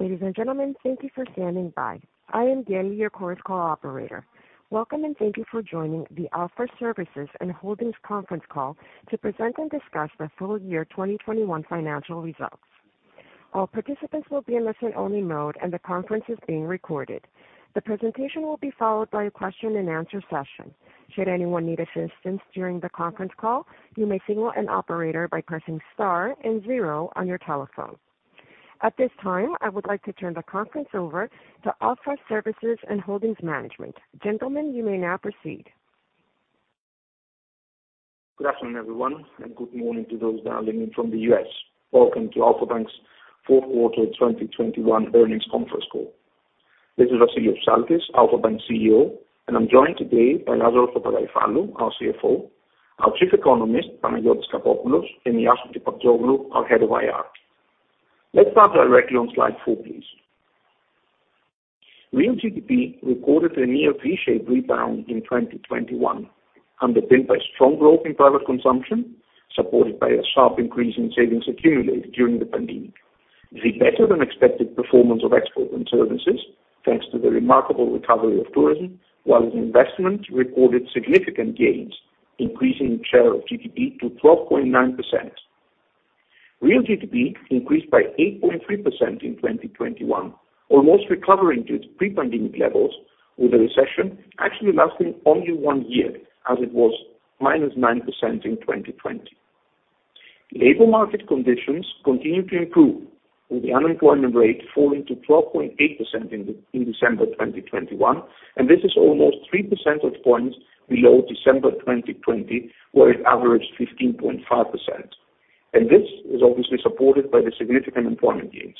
Ladies and gentlemen, thank you for standing by. I am Danny, your Chorus Call operator. Welcome, and thank you for joining the Alpha Services and Holdings conference call to present and discuss the full year 2021 financial results. All participants will be in listen-only mode, and the conference is being recorded. The presentation will be followed by a question-and-answer session. Should anyone need assistance during the conference call, you may signal an operator by pressing star and zero on your telephone. At this time, I would like to turn the conference over to Alpha Services and Holdings management. Gentlemen, you may now proceed. Good afternoon, everyone, and good morning to those dialing in from the U.S. Welcome to Alpha Bank's fourth quarter 2021 earnings conference call. This is Vassilios Psaltis, Alpha Bank CEO, and I'm joined today by Lazaros Papagaryfallou, our CFO, our Chief Economist, Panagiotis Kapopoulos, and Iason Kepaptsoglou, our head of IR. Let's start directly on slide 4, please. Real GDP recorded a near V-shaped rebound in 2021, underpinned by strong growth in private consumption, supported by a sharp increase in savings accumulated during the pandemic. The better-than-expected performance of exports and services, thanks to the remarkable recovery of tourism, while investment recorded significant gains, increasing share of GDP to 12.9%. Real GDP increased by 8.3% in 2021, almost recovering to its pre-pandemic levels, with the recession actually lasting only one year as it was -9% in 2020. Labor market conditions continued to improve, with the unemployment rate falling to 12.8% in December 2021, and this is almost three percentage points below December 2020, where it averaged 15.5%. This is obviously supported by the significant employment gains.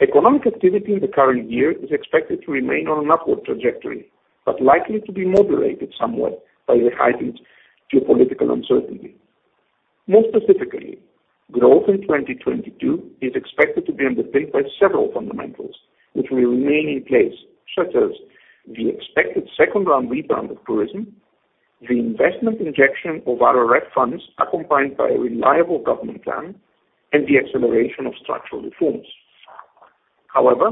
Economic activity in the current year is expected to remain on an upward trajectory, but likely to be moderated somewhat by the heightened geopolitical uncertainty. More specifically, growth in 2022 is expected to be underpinned by several fundamentals, which will remain in place, such as the expected second-round rebound of tourism, the investment injection of our RRF funds, accompanied by a reliable government plan, and the acceleration of structural reforms. However,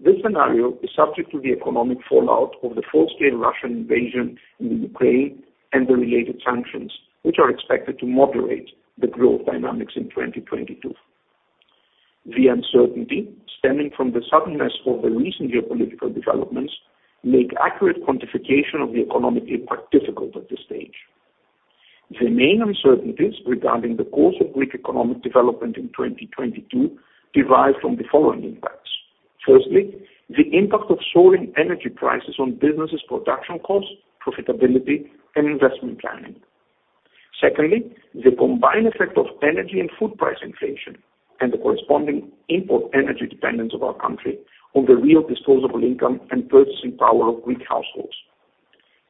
this scenario is subject to the economic fallout of the full-scale Russian invasion in Ukraine and the related sanctions, which are expected to moderate the growth dynamics in 2022. The uncertainty stemming from the suddenness of the recent geopolitical developments make accurate quantification of the economy quite difficult at this stage. The main uncertainties regarding the course of Greek economic development in 2022 derive from the following impacts. Firstly, the impact of soaring energy prices on businesses' production costs, profitability, and investment planning. Secondly, the combined effect of energy and food price inflation and the corresponding import energy dependence of our country on the real disposable income and purchasing power of Greek households.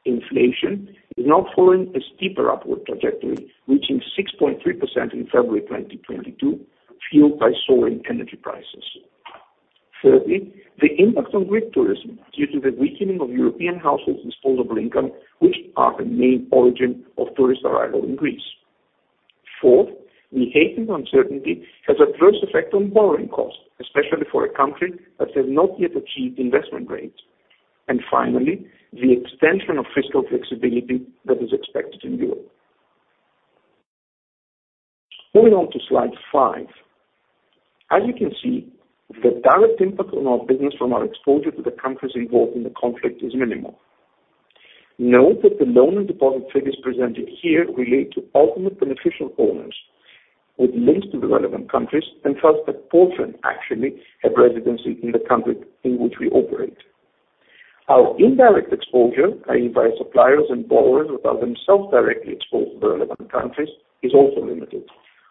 Inflation is now following a steeper upward trajectory, reaching 6.3% in February 2022, fueled by soaring energy prices. Thirdly, the impact on Greek tourism due to the weakening of European households' disposable income, which are the main origin of tourist arrival in Greece. Fourth, the heightened uncertainty has adverse effect on borrowing costs, especially for a country that has not yet achieved investment grades. Finally, the extension of fiscal flexibility that is expected in Europe. Moving on to slide five. As you can see, the direct impact on our business from our exposure to the countries involved in the conflict is minimal. Note that the loan and deposit figures presented here relate to ultimate beneficial owners with links to the relevant countries, and thus the portion actually have residency in the country in which we operate. Our indirect exposure, i.e. by suppliers and borrowers who are themselves directly exposed to the relevant countries, is also limited,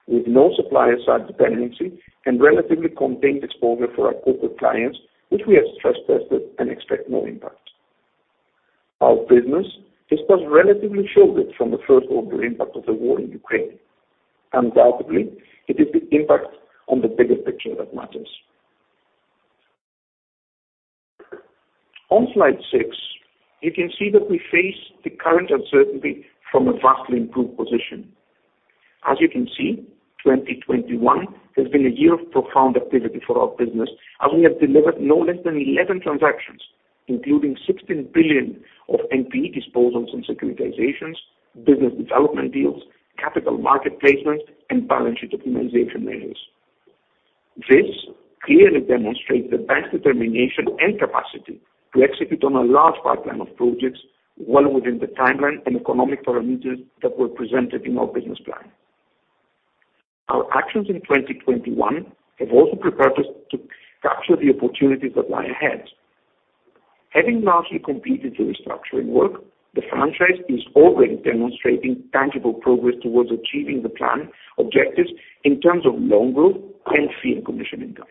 with no supplier-side dependency and relatively contained exposure for our corporate clients, which we have stress tested, and expect no impact. Our business is thus relatively shielded from the first order impact of the war in Ukraine. Undoubtedly, it is the impact on the bigger picture that matters. On slide 6, you can see that we face the current uncertainty from a vastly improved position. As you can see, 2021 has been a year of profound activity for our business, and we have delivered no less than 11 transactions, including 16 billion of NPE disposals and securitizations, business development deals, capital market placements, and balance sheet optimization measures. This clearly demonstrates the bank's determination and capacity to execute on a large pipeline of projects well within the timeline and economic parameters that were presented in our business plan. Our actions in 2021 have also prepared us to capture the opportunities that lie ahead. Having largely completed the restructuring work, the franchise is already demonstrating tangible progress towards achieving the plan objectives in terms of loan growth and fee and commission income.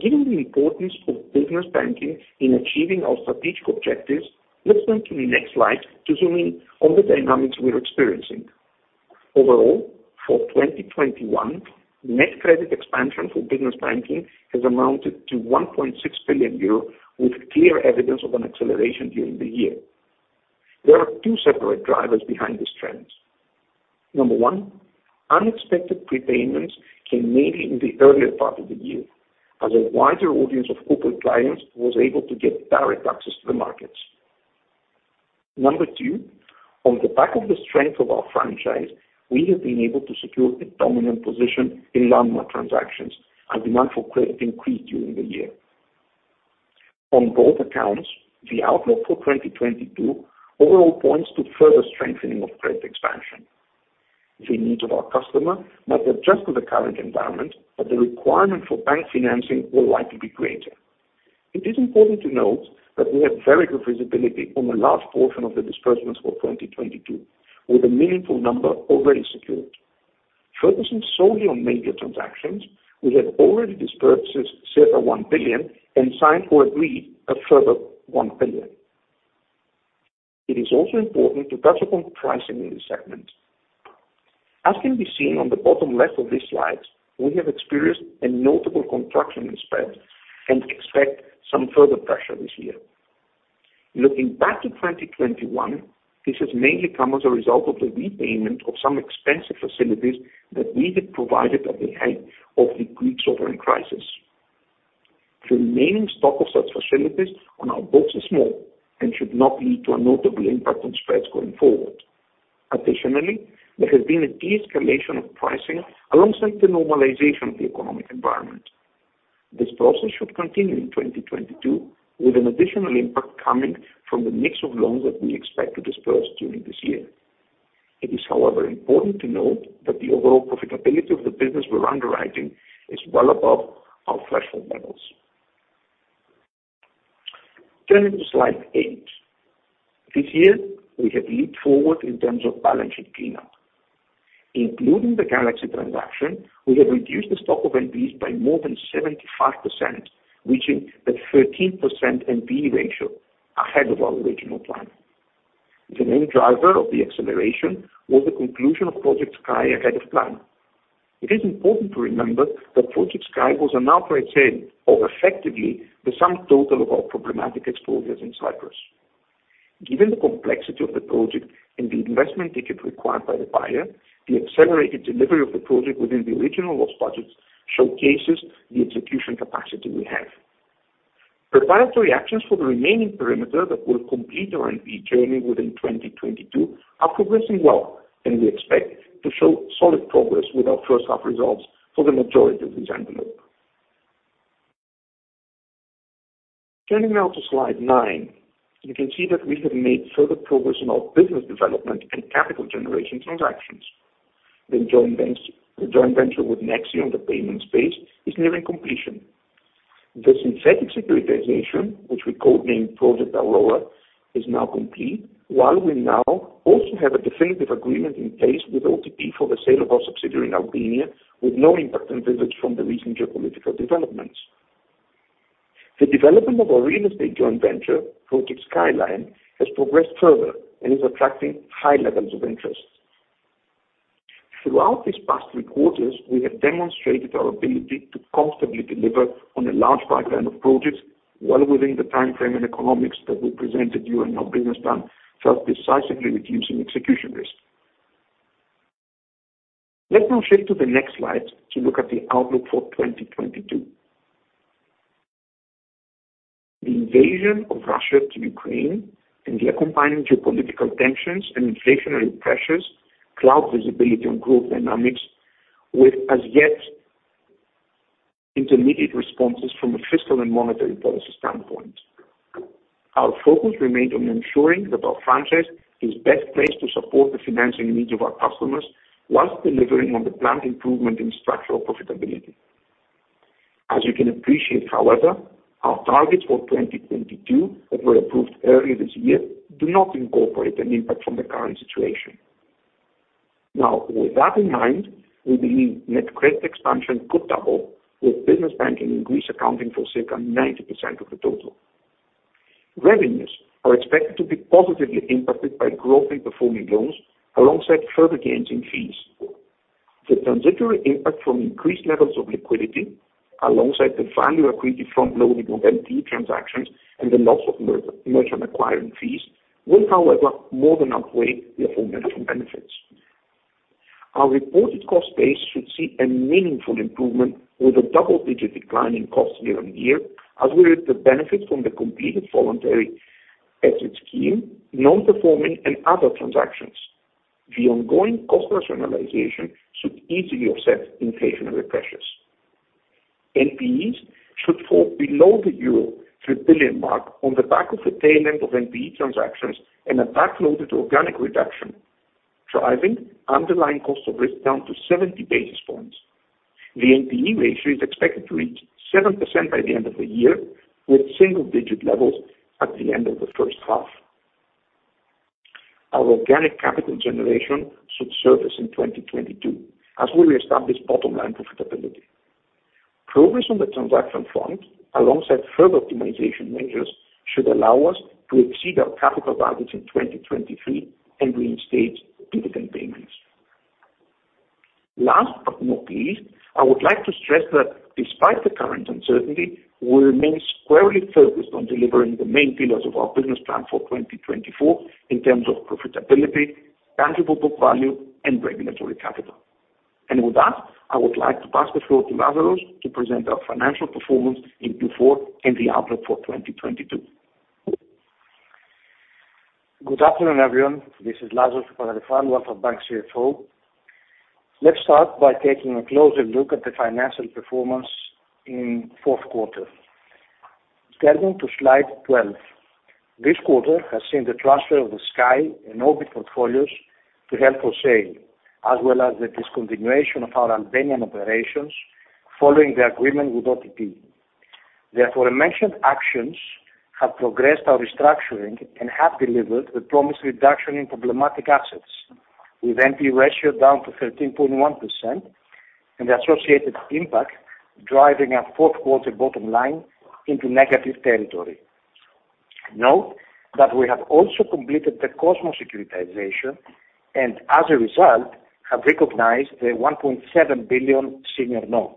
Given the importance of business banking in achieving our strategic objectives, let's turn to the next slide to zoom in on the dynamics we're experiencing. Overall, for 2021, net credit expansion for business banking has amounted to 1.6 billion euro, with clear evidence of an acceleration during the year. There are two separate drivers behind this trend. Number one, unexpected prepayments came mainly in the earlier part of the year, as a wider audience of corporate clients was able to get direct access to the markets. Number two, on the back of the strength of our franchise, we have been able to secure a dominant position in landlord transactions, and demand for credit increased during the year. On both accounts, the outlook for 2022 overall points to further strengthening of credit expansion. The needs of our customer might adjust to the current environment, but the requirement for bank financing will likely be greater. It is important to note that we have very good visibility on the large portion of the disbursements for 2022, with a meaningful number already secured. Focusing solely on major transactions, we have already disbursed circa 1 billion and signed or agreed a further 1 billion. It is also important to touch upon pricing in this segment. As can be seen on the bottom left of this slide, we have experienced a notable contraction in spread and expect some further pressure this year. Looking back to 2021, this has mainly come as a result of the repayment of some expensive facilities that we had provided at the height of the Greek sovereign crisis. The remaining stock of such facilities on our books is small and should not lead to a notable impact on spreads going forward. Additionally, there has been a de-escalation of pricing alongside the normalization of the economic environment. This process should continue in 2022, with an additional impact coming from the mix of loans that we expect to disperse during this year. It is, however, important to note that the overall profitability of the business we're underwriting is well above our threshold levels. Turning to slide eight. This year we have leaped forward in terms of balance sheet cleanup. Including the Project Galaxy transaction, we have reduced the stock of NPEs by more than 75%, reaching a 13% NPE ratio, ahead of our original plan. The main driver of the acceleration was the conclusion of Project Sky ahead of plan. It is important to remember that Project Sky was an outright sale of effectively the sum total of our problematic exposures in Cyprus. Given the complexity of the project and the investment ticket required by the buyer, the accelerated delivery of the project within the original cost budgets showcases the execution capacity we have. Preparatory actions for the remaining perimeter that will complete our NPE journey within 2022 are progressing well, and we expect to show solid progress with our first half results for the majority of this envelope. Turning now to slide nine. You can see that we have made further progress in our business development, and capital generation transactions. The joint venture with Nexi on the payment space is nearing completion. The synthetic securitization, which we code-named Project Aurora, is now complete, while we now also have a definitive agreement in place with OTP for the sale of our subsidiary in Albania with no impact on the business from the recent geopolitical developments. The development of our real estate joint venture, Project Skyline, has progressed further, and is attracting high levels of interest. Throughout these past three quarters, we have demonstrated our ability to constantly deliver on a large pipeline of projects well within the timeframe and economics that we presented during our business plan, thus decisively reducing execution risk. Let's now shift to the next slide to look at the outlook for 2022. The invasion of Russia to Ukraine and the accompanying geopolitical tensions, and inflationary pressures cloud visibility on growth dynamics with as yet intermediate responses from a fiscal and monetary policy standpoint. Our focus remains on ensuring that our franchise is best placed to support the financing needs of our customers while delivering on the planned improvement in structural profitability. As you can appreciate, however, our targets for 2022 that were approved earlier this year do not incorporate an impact from the current situation. Now, with that in mind, we believe net credit expansion could double, with business banking in Greece accounting for circa 90% of the total. Revenues are expected to be positively impacted by growth in performing loans alongside further gains in fees. The transitory impact from increased levels of liquidity, alongside the value accretive from loading of NPE transactions and the loss of merger and acquisition fees will, however, more than outweigh the aforementioned benefits. Our reported cost base should see a meaningful improvement with a double-digit decline in costs year-on-year, as will the benefit from the completed voluntary exit scheme, non-performing, and other transactions. The ongoing cost rationalization should easily offset inflationary pressures. NPEs should fall below the €1 trillion mark on the back of the payment of NPE transactions and a backloaded organic reduction, driving underlying cost of risk down to 70 basis points. The NPE ratio is expected to reach 7% by the end of the year, with single-digit levels at the end of the first half. Our organic capital generation should surface in 2022 as we reestablish bottom line profitability. Progress on the transaction front, alongside further optimization measures, should allow us to exceed our capital targets in 2023 and reinstate dividend payments. Last but not least, I would like to stress that despite the current uncertainty, we remain squarely focused on delivering the main pillars of our business plan for 2024 in terms of profitability, tangible book value, and regulatory capital. With that, I would like to pass the floor to Lazaros to present our financial performance in Q4 and the outlook for 2022. Good afternoon, everyone. This is Lazaros Papagaryfallou, Alpha Bank CFO. Let's start by taking a closer look at the financial performance in fourth quarter. Turning to slide 12. This quarter has seen the transfer of the Project Sky and Project Orbit portfolios to held for sale, as well as the discontinuation of our Albanian operations following the agreement with OTP Group. Therefore, the mentioned actions have progressed our restructuring and have delivered the promised reduction in problematic assets with NPE ratio down to 13.1% and the associated impact driving our fourth quarter bottom line into negative territory. Note that we have also completed the Project Cosmos securitization and as a result have recognized the 1.7 billion senior note.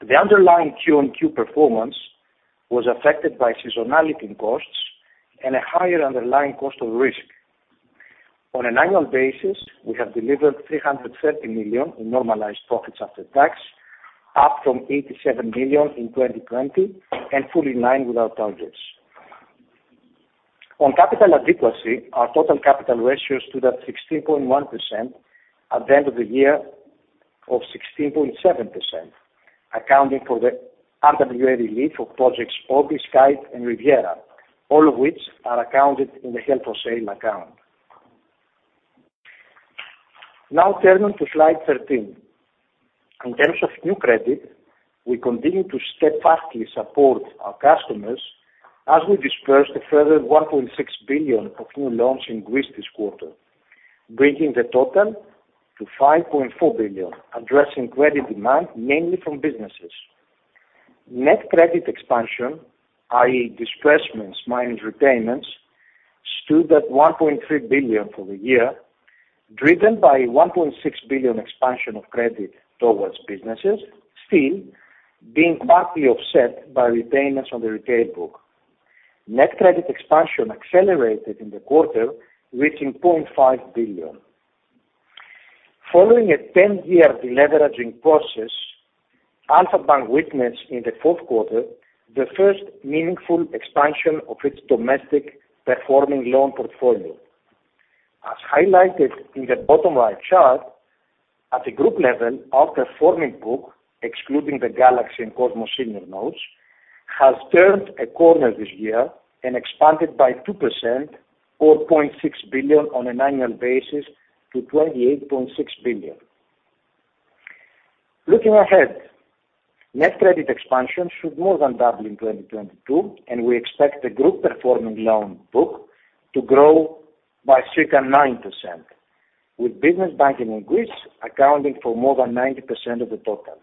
The underlying Q-on-Q performance was affected by seasonality costs and a higher underlying cost of risk. On an annual basis, we have delivered 330 million in normalized profits after tax, up from 87 million in 2020 and fully in line with our targets. On capital adequacy, our total capital ratio stood at 16.1% at the end of the year or 16.7%, accounting for the RWA relief of Project Orbit, Project Sky, and Project Riviera, all of which are accounted in the held for sale account. Now turning to slide 13. In terms of new credit, we continue to steadfastly support our customers as we disbursed a further 1.6 billion of new loans in Greece this quarter, bringing the total to 5.4 billion, addressing credit demand mainly from businesses. Net credit expansion, i.e., disbursements minus retainments, stood at 1.3 billion for the year, driven by 1.6 billion expansion of credit towards businesses still being partly offset by retainers on the retail book. Net credit expansion accelerated in the quarter, reaching 0.5 billion. Following a 10-year deleveraging process, Alpha Bank witnessed in the fourth quarter the first meaningful expansion of its domestic performing loan portfolio. As highlighted in the bottom right chart, at a group level, our performing book, excluding the Galaxy and Cosmos senior notes, has turned a corner this year and expanded by 2% or 0.6 billion on an annual basis to 28.6 billion. Looking ahead, net credit expansion should more than double in 2022, and we expect the group performing loan book to grow by circa 9%, with business banking in Greece accounting for more than 90% of the total.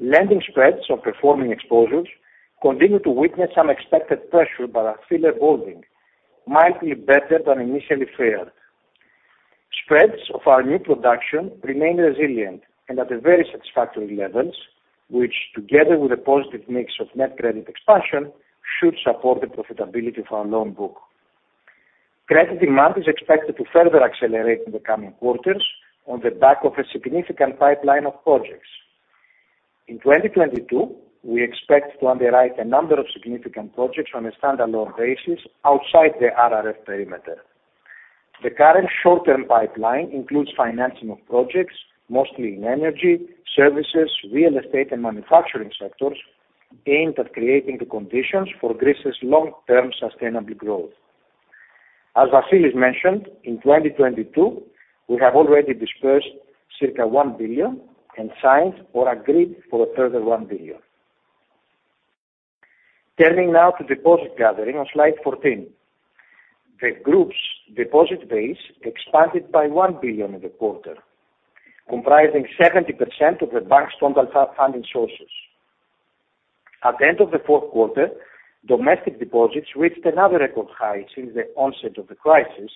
Lending spreads of performing exposures continue to witness some expected pressure, but are still evolving, mildly better than initially feared. Spreads of our new production remain resilient and at a very satisfactory levels, which together with a positive mix of net credit expansion should support the profitability of our loan book. Credit demand is expected to further accelerate in the coming quarters on the back of a significant pipeline of projects. In 2022, we expect to underwrite a number of significant projects on a standalone basis outside the RRF perimeter. The current short-term pipeline includes financing of projects mostly in energy, services, real estate, and manufacturing sectors aimed at creating the conditions for Greece's long-term sustainable growth. Vasilis mentioned, in 2022, we have already dispersed circa 1 billion and signed or agreed for a further 1 billion. Turning now to deposit gathering on slide 14. The group's deposit base expanded by 1 billion in the quarter, comprising 70% of the bank's total funding sources. At the end of the fourth quarter, domestic deposits reached another record high since the onset of the crisis,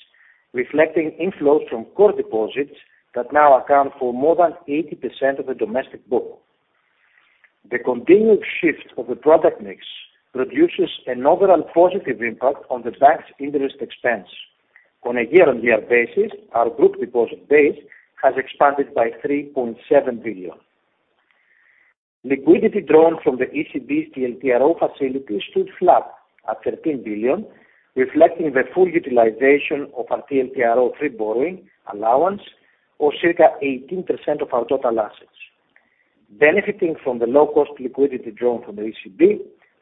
reflecting inflows from core deposits that now account for more than 80% of the domestic book. The continued shift of the product mix produces an overall positive impact on the bank's interest expense. On a year-on-year basis, our group deposit base has expanded by 3.7 billion. Liquidity drawn from the ECB TLTRO facility stood flat at 13 billion, reflecting the full utilization of our TLTRO free borrowing allowance or circa 18% of our total assets. Benefiting from the low-cost liquidity drawn from the ECB,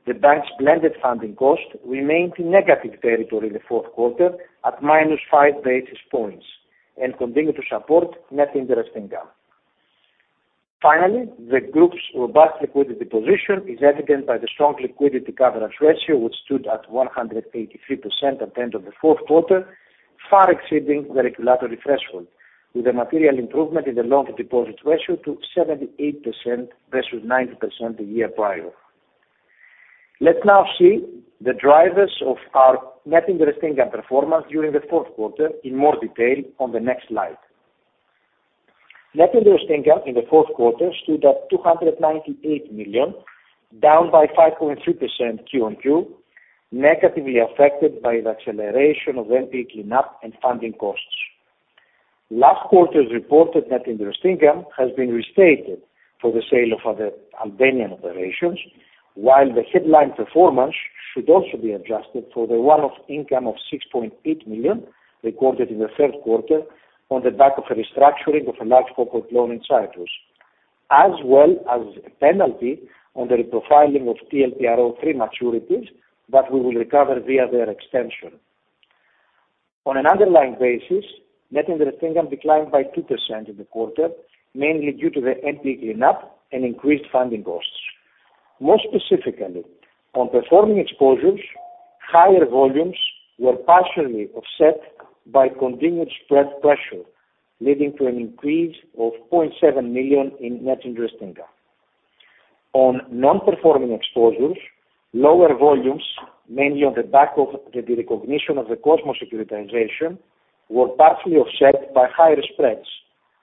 the bank's blended funding cost remained in negative territory in the fourth quarter at -5 basis points and continued to support net interest income. Finally, the group's robust liquidity position is evident by the strong liquidity coverage ratio, which stood at 183% at the end of the fourth quarter, far exceeding the regulatory threshold, with a material improvement in the loan-to-deposit ratio to 78% versus 90% the year prior. Let's now see the drivers of our net interest income performance during the fourth quarter in more detail on the next slide. Net interest income in the fourth quarter stood at 298 million, down by 5.3% QOQ, negatively affected by the acceleration of NPE clean up and funding costs. Last quarter's reported net interest income has been restated for the sale of Albanian operations, while the headline performance should also be adjusted for the one-off income of 6.8 million recorded in the third quarter on the back of a restructuring of a large corporate loan in Cyprus, as well as a penalty on the reprofiling of TLTRO III maturities that we will recover via their extension. On an underlying basis, net interest income declined by 2% in the quarter, mainly due to the NPE clean up and increased funding costs. More specifically, on performing exposures, higher volumes were partially offset by continued spread pressure, leading to an increase of 0.7 million in net interest income. On non-performing exposures, lower volumes, mainly on the back of the derecognition of the Cosmos securitization, were partially offset by higher spreads,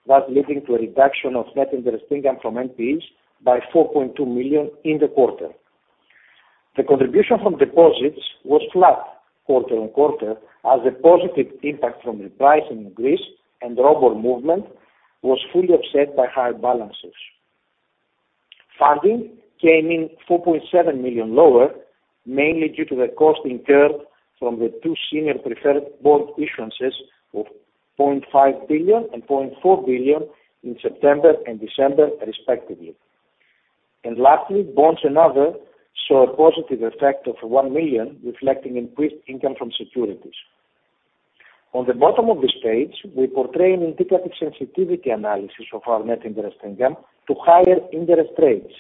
thus leading to a reduction of net interest income from NPEs by 4.2 million in the quarter. The contribution from deposits was flat quarter-on-quarter as the positive impact from repricing in Greece and repo movement was fully offset by higher balances. Funding came in 4.7 million lower, mainly due to the cost incurred from the two senior preferred bond issuances of 0.5 billion and 0.4 billion in September and December respectively. Lastly, bonds and other saw a positive effect of 1 million, reflecting increased income from securities. On the bottom of this page, we portray an indicative sensitivity analysis of our net interest income to higher interest rates,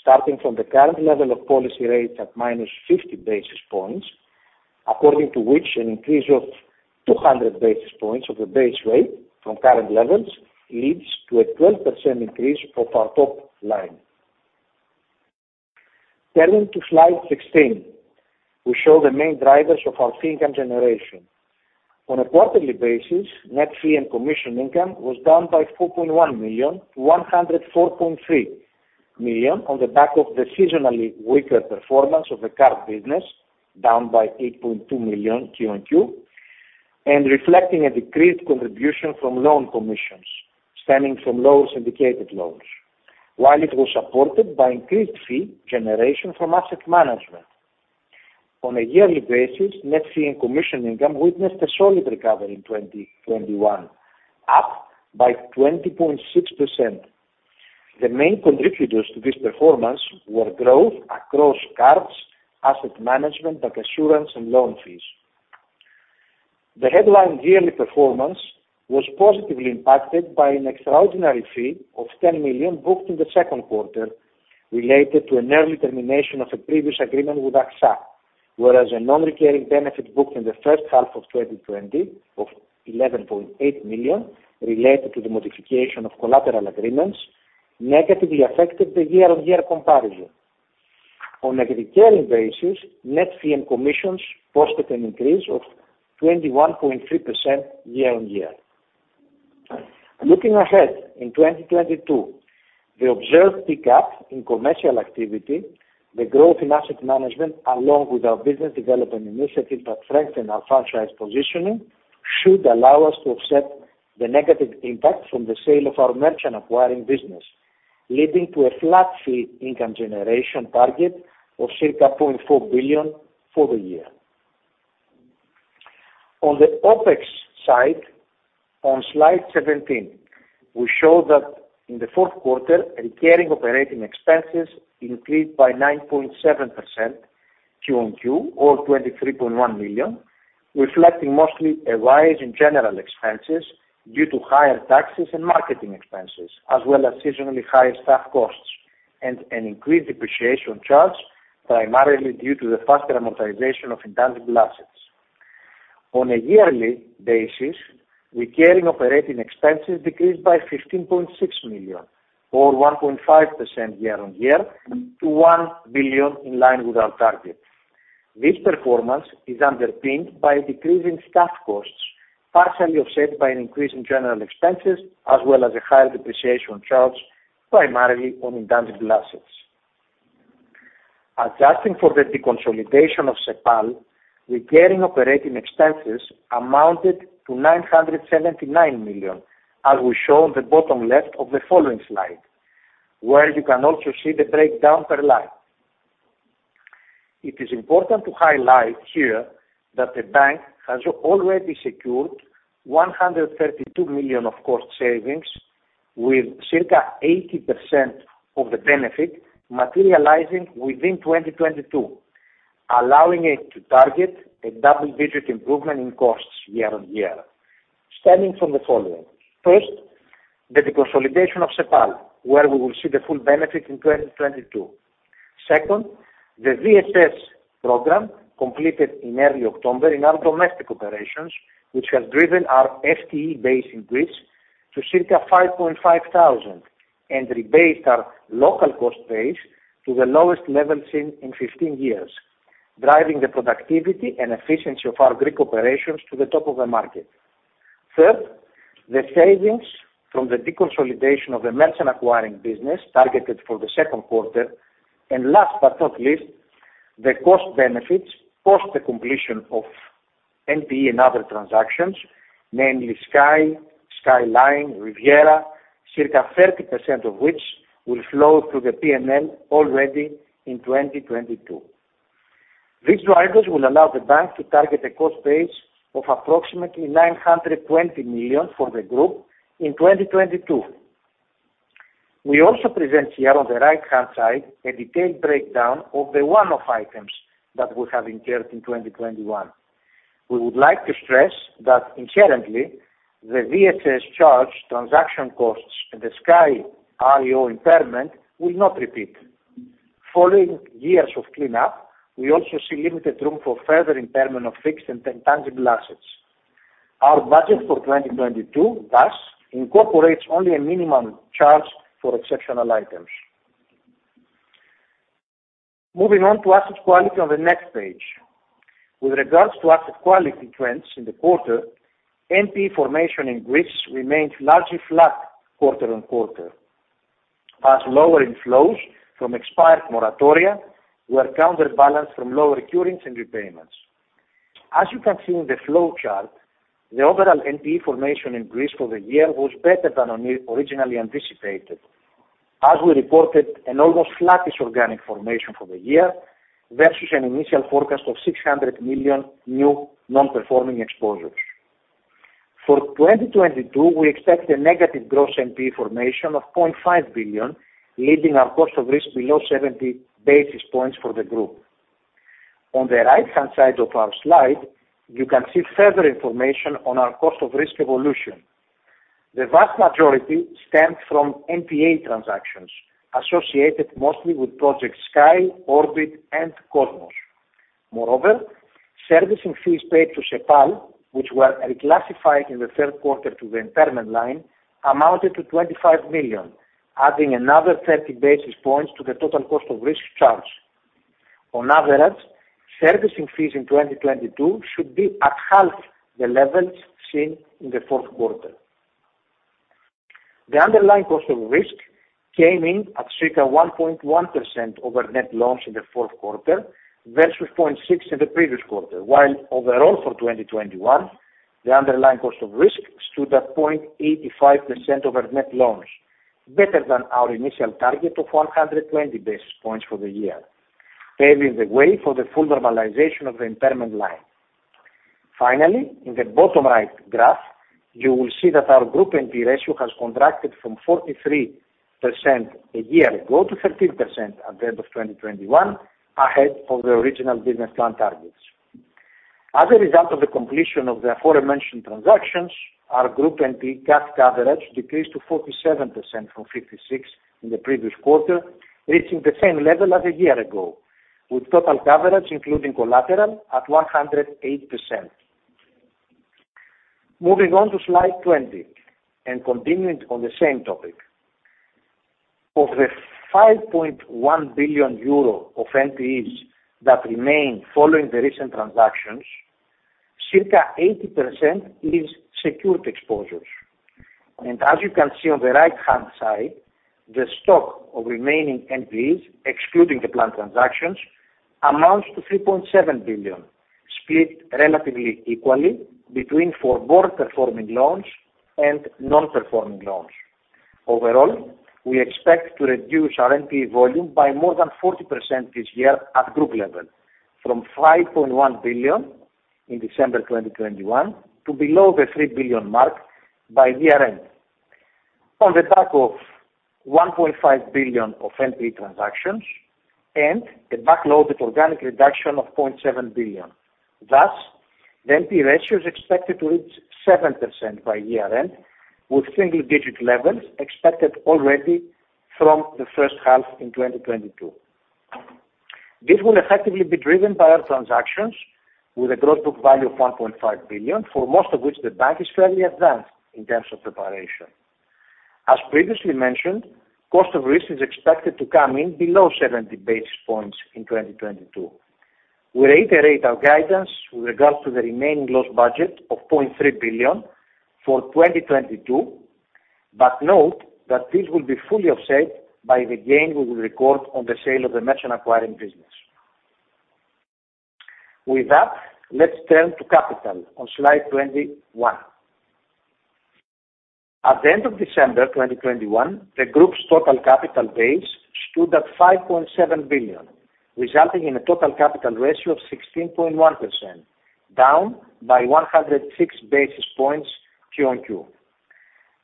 starting from the current level of policy rates at -50 basis points, according to which an increase of 200 basis points of the base rate from current levels leads to a 12% increase of our top line. Turning to slide 16, we show the main drivers of our fee income generation. On a quarterly basis, net fee and commission income was down by 4.1 million to 104.3 million on the back of the seasonally weaker performance of the card business, down by 8.2 million QOQ, and reflecting a decreased contribution from loan commissions stemming from low syndicated loans. While it was supported by increased fee generation from asset management. On a yearly basis, net fee and commission income witnessed a solid recovery in 2021, up by 20.6%. The main contributors to this performance were growth across cards, asset management, bank assurance and loan fees. The headline yearly performance was positively impacted by an extraordinary fee of 10 million booked in the second quarter related to an early termination of a previous agreement with AXA, whereas a non-recurring benefit booked in the first half of 2020 of 11.8 million related to the modification of collateral agreements negatively affected the year-on-year comparison. On a recurring basis, net fee and commissions posted an increase of 21.3% year-on-year. Looking ahead, in 2022, the observed pickup in commercial activity, the growth in asset management, along with our business development initiatives that strengthen our franchise positioning, should allow us to offset the negative impact from the sale of our merchant acquiring business, leading to a flat fee income generation target of circa 0.4 billion for the year. On the OpEx side, on slide 17, we show that in the fourth quarter, recurring operating expenses increased by 9.7% QOQ, or 23.1 million, reflecting mostly a rise in general expenses due to higher taxes and marketing expenses, as well as seasonally higher staff costs and an increased depreciation charge, primarily due to the faster amortization of intangible assets. On a yearly basis, recurring operating expenses decreased by 15.6 million or 1.5% year-on-year to 1 billion in line with our target. This performance is underpinned by a decrease in staff costs, partially offset by an increase in general expenses as well as a higher depreciation charge, primarily on intangible assets. Adjusting for the deconsolidation of Cepal, recurring operating expenses amounted to 979 million, as we show on the bottom left of the following slide, where you can also see the breakdown per line. It is important to highlight here that the bank has already secured 132 million of cost savings with circa 80% of the benefit materializing within 2022, allowing it to target a double-digit improvement in costs year-on-year, stemming from the following. First, the deconsolidation of Cepal, where we will see the full benefit in 2022. Second, the VSS program completed in early October in our domestic operations, which has driven our FTE base in Greece to circa 5,500 and rebased our local cost base to the lowest level seen in 15 years, driving the productivity and efficiency of our Greek operations to the top of the market. Third, the savings from the deconsolidation of the merchant acquiring business targeted for the second quarter. Last but not least, the cost benefits post the completion of NPE and other transactions, namely Sky, Skyline, Riviera, circa 30% of which will flow through the P&L already in 2022. These drivers will allow the bank to target a cost base of approximately 920 million for the group in 2022. We also present here on the right-hand side a detailed breakdown of the one-off items that we have incurred in 2021. We would like to stress that inherently the VSS charge transaction costs and the Sky RIO impairment will not repeat. Following years of cleanup, we also see limited room for further impairment of fixed and tangible assets. Our budget for 2022, thus incorporates only a minimum charge for exceptional items. Moving on to asset quality on the next page. With regards to asset quality trends in the quarter, NPE formation in Greece remains largely flat quarter-on-quarter, as lower inflows from expired moratoria were counterbalanced from lower recoveries and repayments. As you can see in the flow chart, the overall NPE formation in Greece for the year was better than originally anticipated. As we reported, an almost flattish organic formation for the year versus an initial forecast of 600 million new non-performing exposures. For 2022, we expect a negative gross NPE formation of 0.5 billion, leaving our cost of risk below 70 basis points for the group. On the right-hand side of our slide, you can see further information on our cost of risk evolution. The vast majority stems from NPE transactions associated mostly with projects Sky, Orbit, and Cosmos. Moreover, servicing fees paid to Cepal, which were reclassified in the third quarter to the impairment line, amounted to 25 million, adding another 30 basis points to the total cost of risk charge. On average, servicing fees in 2022 should be at half the levels seen in the fourth quarter. The underlying cost of risk came in at circa 1.1% over net loans in the fourth quarter versus 0.6% in the previous quarter, while overall for 2021, the underlying cost of risk stood at 0.85% over net loans, better than our initial target of 120 basis points for the year, paving the way for the full normalization of the impairment line. Finally, in the bottom right graph, you will see that our group NPE ratio has contracted from 43% a year ago to 13% at the end of 2021, ahead of the original business plan targets. As a result of the completion of the aforementioned transactions, our group NPE capped coverage decreased to 47% from 56% in the previous quarter, reaching the same level as a year ago, with total coverage including collateral at 108%. Moving on to slide 20 and continuing on the same topic. Of the 5.1 billion euro of NPEs that remain following the recent transactions, circa 80% is secured exposures. As you can see on the right-hand side, the stock of remaining NPEs, excluding the planned transactions, amounts to 3.7 billion, split relatively equally between forborne performing loans and non-performing loans. Overall, we expect to reduce our NPE volume by more than 40% this year at group level, from 5.1 billion in December 2021 to below the 3 billion mark by year-end. On the back of 1.5 billion of NPE transactions and a backloaded organic reduction of 0.7 billion. Thus, the NPE ratio is expected to reach 7% by year-end, with single-digit levels expected already from the first half in 2022. This will effectively be driven by our transactions with a gross book value of 1.5 billion, for most of which the bank is fairly advanced in terms of preparation. As previously mentioned, cost of risk is expected to come in below 70 basis points in 2022. We reiterate our guidance with regards to the remaining loss budget of 0.3 billion for 2022, but note that this will be fully offset by the gain we will record on the sale of the merchant acquiring business. With that, let's turn to capital on slide 21. At the end of December 2021, the group's total capital base stood at 5.7 billion, resulting in a total capital ratio of 16.1%, down by 106 basis points QOQ.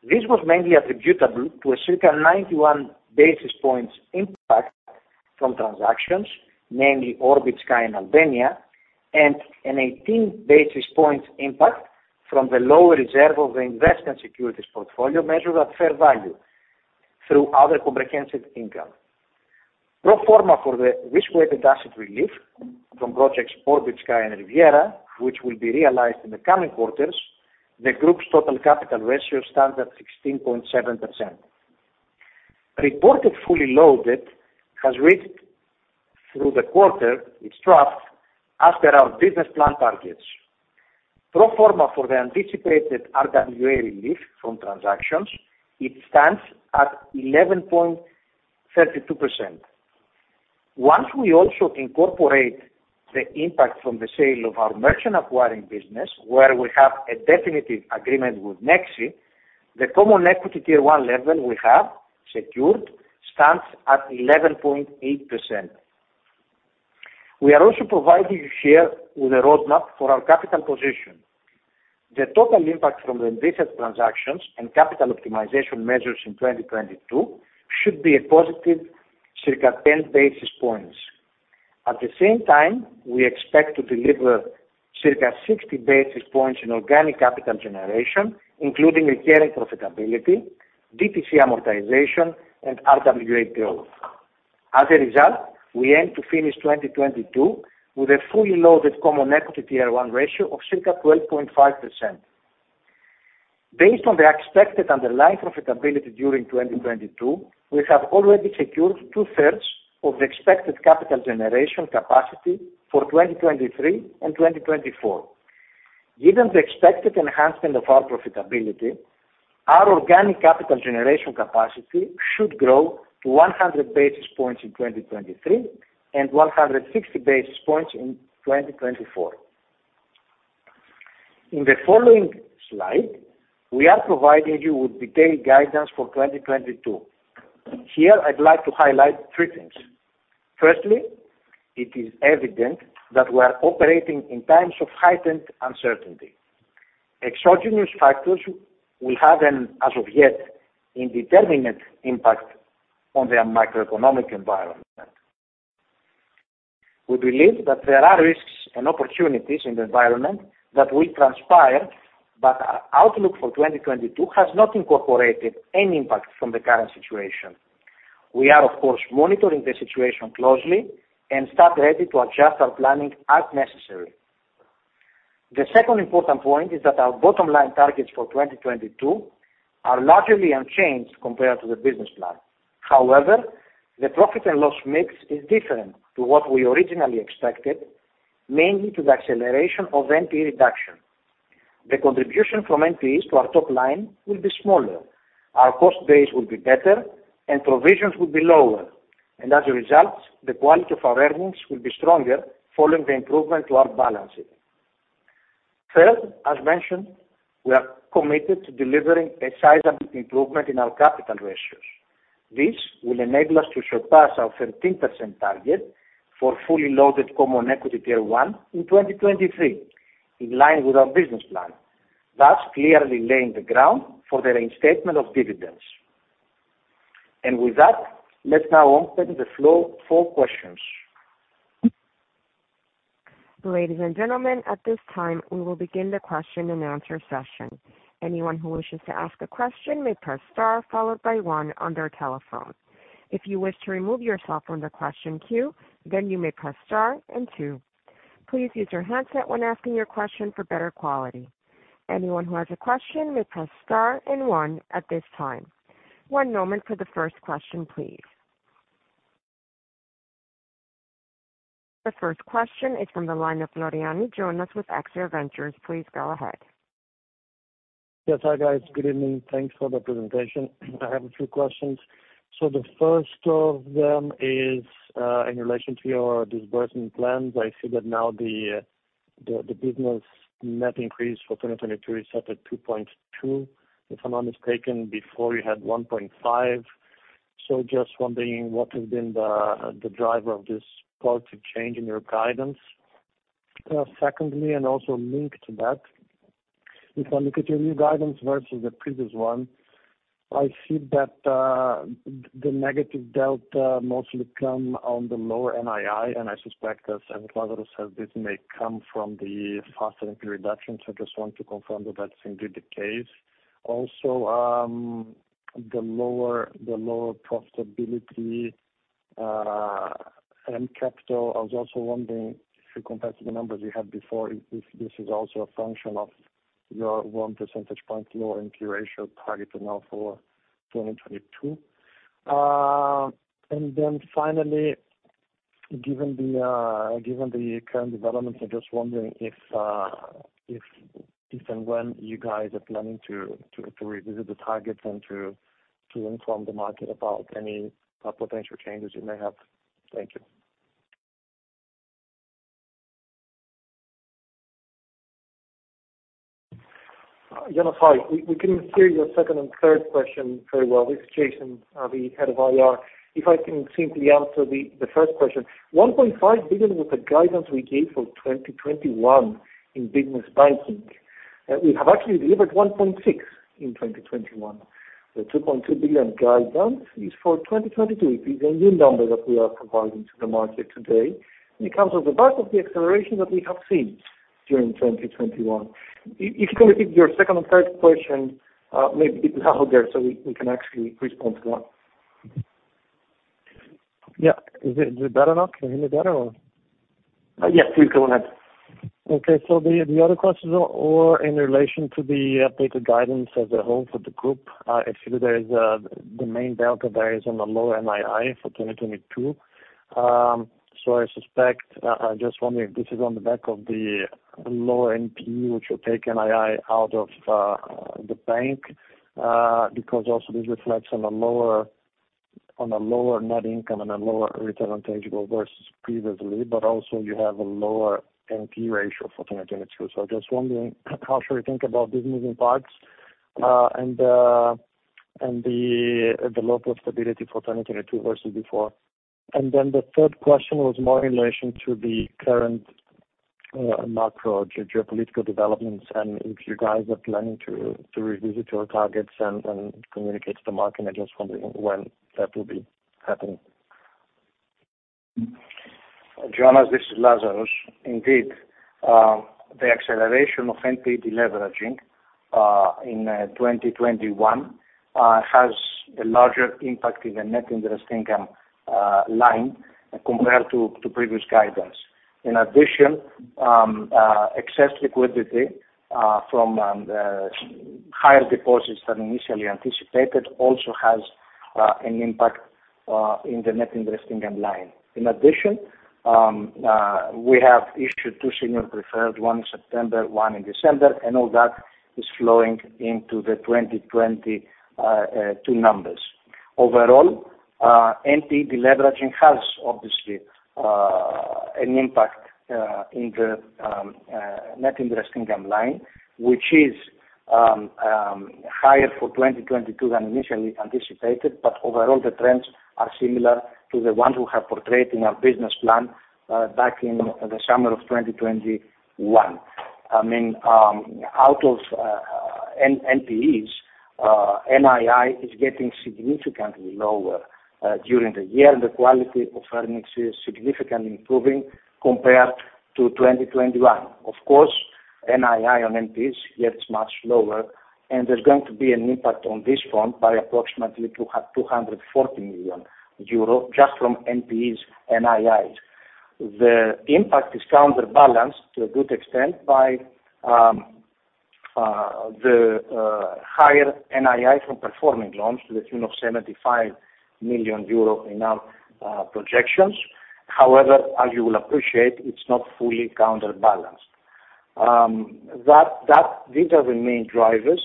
This was mainly attributable to a circa 91 basis points impact from transactions, namely Orbit, Sky, and Albania, and an 18 basis points impact from the lower reserve of the investment securities portfolio measured at fair value through other comprehensive income. Pro forma for the risk-weighted asset relief from projects Orbit and Riviera, which will be realized in the coming quarters, the group's total capital ratio stands at 16.7%. Reported fully loaded has reached through the quarter its trough as per our business plan targets. Pro forma for the anticipated RWA relief from transactions, it stands at 11.32%. Once we also incorporate the impact from the sale of our merchant acquiring business, where we have a definitive agreement with Nexi, the common equity tier one level we have secured stands at 11.8%. We are also providing you here with a roadmap for our capital position. The total impact from the recent transactions, and capital optimization measures in 2022 should be a positive circa 10 basis points. At the same time, we expect to deliver circa 60 basis points in organic capital generation, including recurring profitability, DTC amortization, and RWA growth. As a result, we aim to finish 2022 with a fully loaded common equity tier one ratio of circa 12.5%. Based on the expected underlying profitability during 2022, we have already secured two-thirds of the expected capital generation capacity for 2023 and 2024. Given the expected enhancement of our profitability, our organic capital generation capacity should grow to 100 basis points in 2023 and 160 basis points in 2024. In the following slide, we are providing you with detailed guidance for 2022. Here, I'd like to highlight three things. Firstly, it is evident that we are operating in times of heightened uncertainty. Exogenous factors will have an, as of yet, indeterminate impact on the macroeconomic environment. We believe that there are risks and opportunities in the environment that will transpire, but our outlook for 2022 has not incorporated any impact from the current situation. We are, of course, monitoring the situation closely, and stand ready to adjust our planning as necessary. The second important point is that our bottom line targets for 2022 are largely unchanged compared to the business plan. However, the profit and loss mix is different to what we originally expected, mainly due to the acceleration of NPE reduction. The contribution from NPEs to our top line will be smaller. Our cost base will be better and provisions will be lower. As a result, the quality of our earnings will be stronger following the improvement to our balance sheet. Third, as mentioned, we are committed to delivering a sizable improvement in our capital ratios. This will enable us to surpass our 13% target for fully loaded common equity tier one in 2023, in line with our business plan, thus clearly laying the ground for the reinstatement of dividends. With that, let's now open the floor for questions. Ladies and gentlemen, at this time, we will begin the question and answer session. Anyone who wishes to ask a question may press star followed by one on their telephone. If you wish to remove yourself from the question queue, then you may press star and two. Please use your handset when asking your question for better quality. Anyone who has a question may press star and one at this time. One moment for the first question, please. The first question is from the line of Jonas Floriani with Axia Ventures. Please go ahead. Yes. Hi, guys. Good evening. Thanks for the presentation. I have a few questions. The first of them is in relation to your disbursement plans. I see that now the business net increase for 2022 is set at 2.2. If I'm not mistaken, before you had 1.5. Just wondering what has been the driver of this positive change in your guidance. Secondly, and also linked to that, if I look at your new guidance versus the previous one, I see that the negative delta mostly come on the lower NII, and I suspect, as Evangelos said, this may come from the faster NPE reduction. I just want to confirm that that's indeed the case. Also, the lower profitability and capital, I was also wondering if you compare to the numbers you had before, if this is also a function of your 1 percentage point lower NPE ratio target now for 2022. Finally, given the current developments, I'm just wondering if and when you guys are planning to revisit the targets and to inform the market about any potential changes you may have. Thank you. Jonas, hi. We couldn't hear your second and third question very well. This is Lason, the head of IR. If I can simply answer the first question. 1.5 billion was the guidance we gave for 2021 in Business Banking. We have actually delivered 1.6 billion in 2021. The 2.2 billion guidance is for 2022. It is a new number that we are providing to the market today, and it comes off the back of the acceleration that we have seen during 2021. If you can repeat your second and third question, maybe a bit louder so we can actually respond to that. Yeah. Is it better now? Can you hear me better or? Yes, please go ahead. Okay. The other questions are all in relation to the updated guidance as a whole for the group. Actually, the main delta there is on the lower NII for 2022. I suspect I just wonder if this is on the back of the lower NPE, which will take NII out of the bank. Because also this reflects on a lower net income and a lower return on tangible versus previously, but also you have a lower NPE ratio for 2022. I'm just wondering how should we think about these moving parts, and the lower profitability for 2022 versus before. Then the third question was more in relation to the current macro geopolitical developments and if you guys are planning to revisit your targets and communicate to the market. I'm just wondering when that will be happening. Jonas, this is Lazaros. Indeed, the acceleration of NPE deleveraging in 2021 has a larger impact in the net interest income line compared to previous guidance. In addition, excess liquidity from the higher deposits than initially anticipated also has an impact in the net interest income line. In addition, we have issued two senior preferred, one in September, one in December, and all that is flowing into the 2022 numbers. Overall, NPE deleveraging has obviously an impact in the net interest income line, which is higher for 2022 than initially anticipated. Overall, the trends are similar to the ones we have portrayed in our business plan back in the summer of 2021. I mean, out of NPEs, NII is getting significantly lower during the year. The quality of earnings is significantly improving compared to 2021. Of course, NII on NPEs gets much lower, and there's going to be an impact on this front by approximately 240 million euros just from NPEs NIIs. The impact is counterbalanced to a good extent by the higher NII from performing loans to the tune of 75 million euro in our projections. However, as you will appreciate, it's not fully counterbalanced. These are the main drivers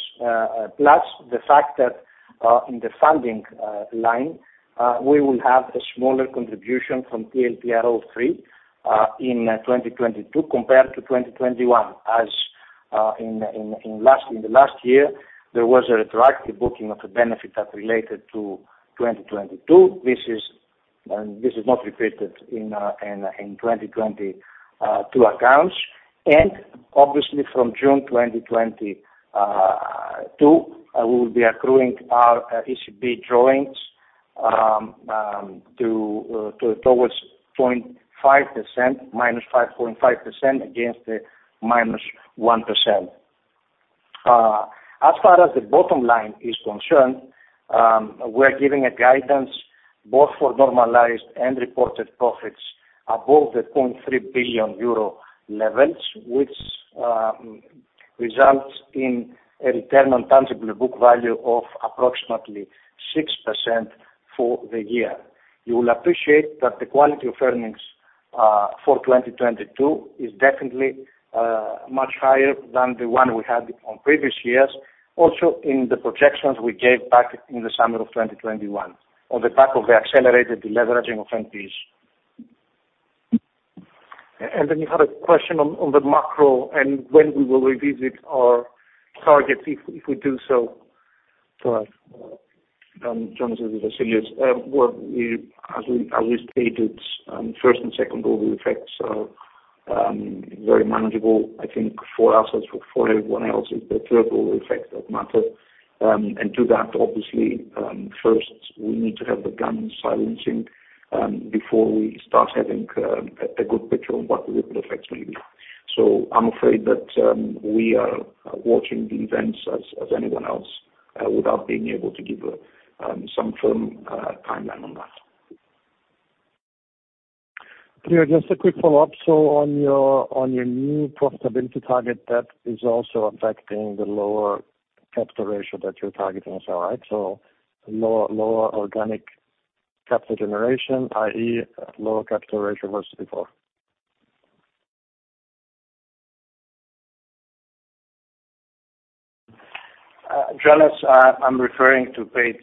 plus the fact that in the funding line we will have a smaller contribution from TLTRO III in 2022 compared to 2021. In the last year, there was a retroactive booking of a benefit that related to 2022. This is not repeated in 2022 accounts. Obviously from June 2022, we will be accruing our ECB drawings towards 0.5%, minus 5.5% against the -1%. As far as the bottom line is concerned, we're giving a guidance both for normalized, and reported profits above 0.3 billion euro levels, which results in a return on tangible book value of approximately 6% for the year. You will appreciate that the quality of earnings for 2022 is definitely much higher than the one we had on previous years. Also, in the projections we gave back in the summer of 2021 on the back of the accelerated deleveraging of NPEs. You had a question on the macro and when we will revisit our targets if we do so. Right. Jonas, this is Vassileios. As we stated, first and second order effects are very manageable, I think, for us, as for everyone else. It's the third order effects that matter. To that obviously, first we need to have the gun silencing before we start having a good picture of what the ripple effects may be. I'm afraid that we are watching the events as anyone else without being able to give some firm timeline on that. Clear. Just a quick follow-up. On your new profitability target, that is also affecting the lower capital ratio that you're targeting as well, right? Lower organic capital generation, i.e., lower capital ratio versus before. Jonas, I'm referring to page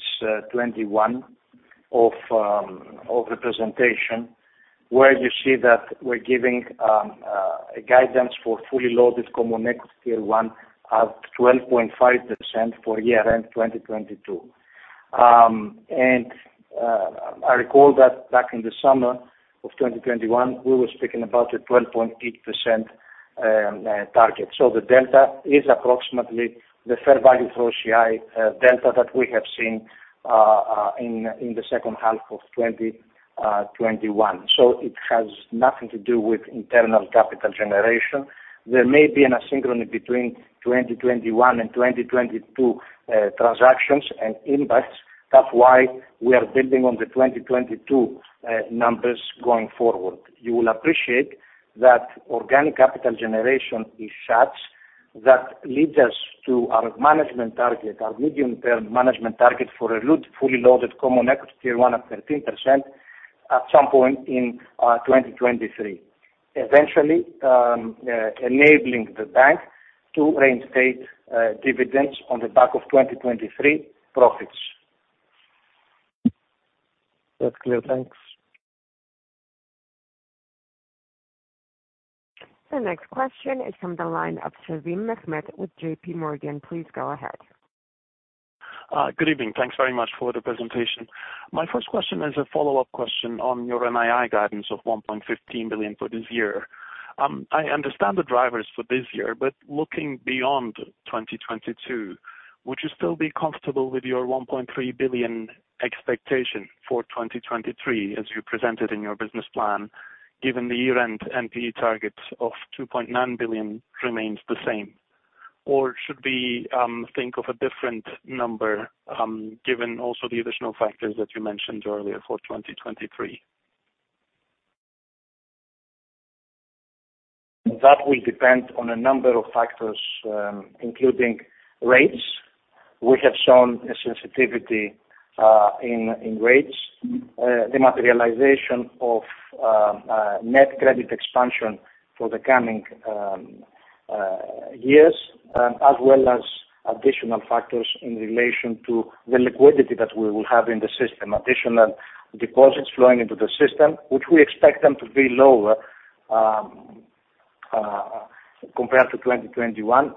21 of the presentation, where you see that we're giving a guidance for fully loaded common equity one at 12.5% for year-end 2022. I recall that back in the summer of 2021, we were speaking about a 12.8% target. The delta is approximately the fair value for OCI delta that we have seen in the second half of 2021. It has nothing to do with internal capital generation. There may be an asynchrony between 2021 and 2022 transactions and impacts. That's why we are building on the 2022 numbers going forward. You will appreciate that organic capital generation is such that leads us to our management target, our medium-term management target for our fully loaded Common Equity Tier 1 of 13% at some point in 2023. Eventually, enabling the bank to reinstate dividends on the back of 2023 profits. That's clear. Thanks. The next question is from the line of Mehmet Sevim with JPMorgan. Please go ahead. Good evening. Thanks very much for the presentation. My first question is a follow-up question on your NII guidance of 1.15 billion for this year. I understand the drivers for this year, but looking beyond 2022, would you still be comfortable with your 1.3 billion expectation for 2023 as you presented in your business plan, given the year-end NPE targets of 2.9 billion remains the same? Or should we think of a different number, given also the additional factors that you mentioned earlier for 2023? That will depend on a number of factors, including rates. We have shown a sensitivity in rates, the materialization of net credit expansion for the coming years, as well as additional factors in relation to the liquidity that we will have in the system. Additional deposits flowing into the system, which we expect them to be lower compared to 2021,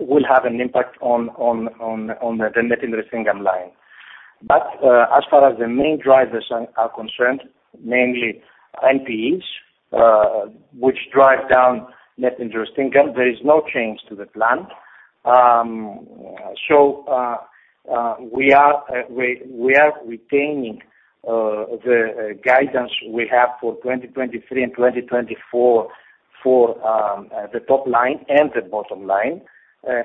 will have an impact on the net interest income. As far as the main drivers are concerned, namely NPEs, which drive down net interest income, there is no change to the plan. We are retaining the guidance we have for 2023 and 2024 for the top line and the bottom line.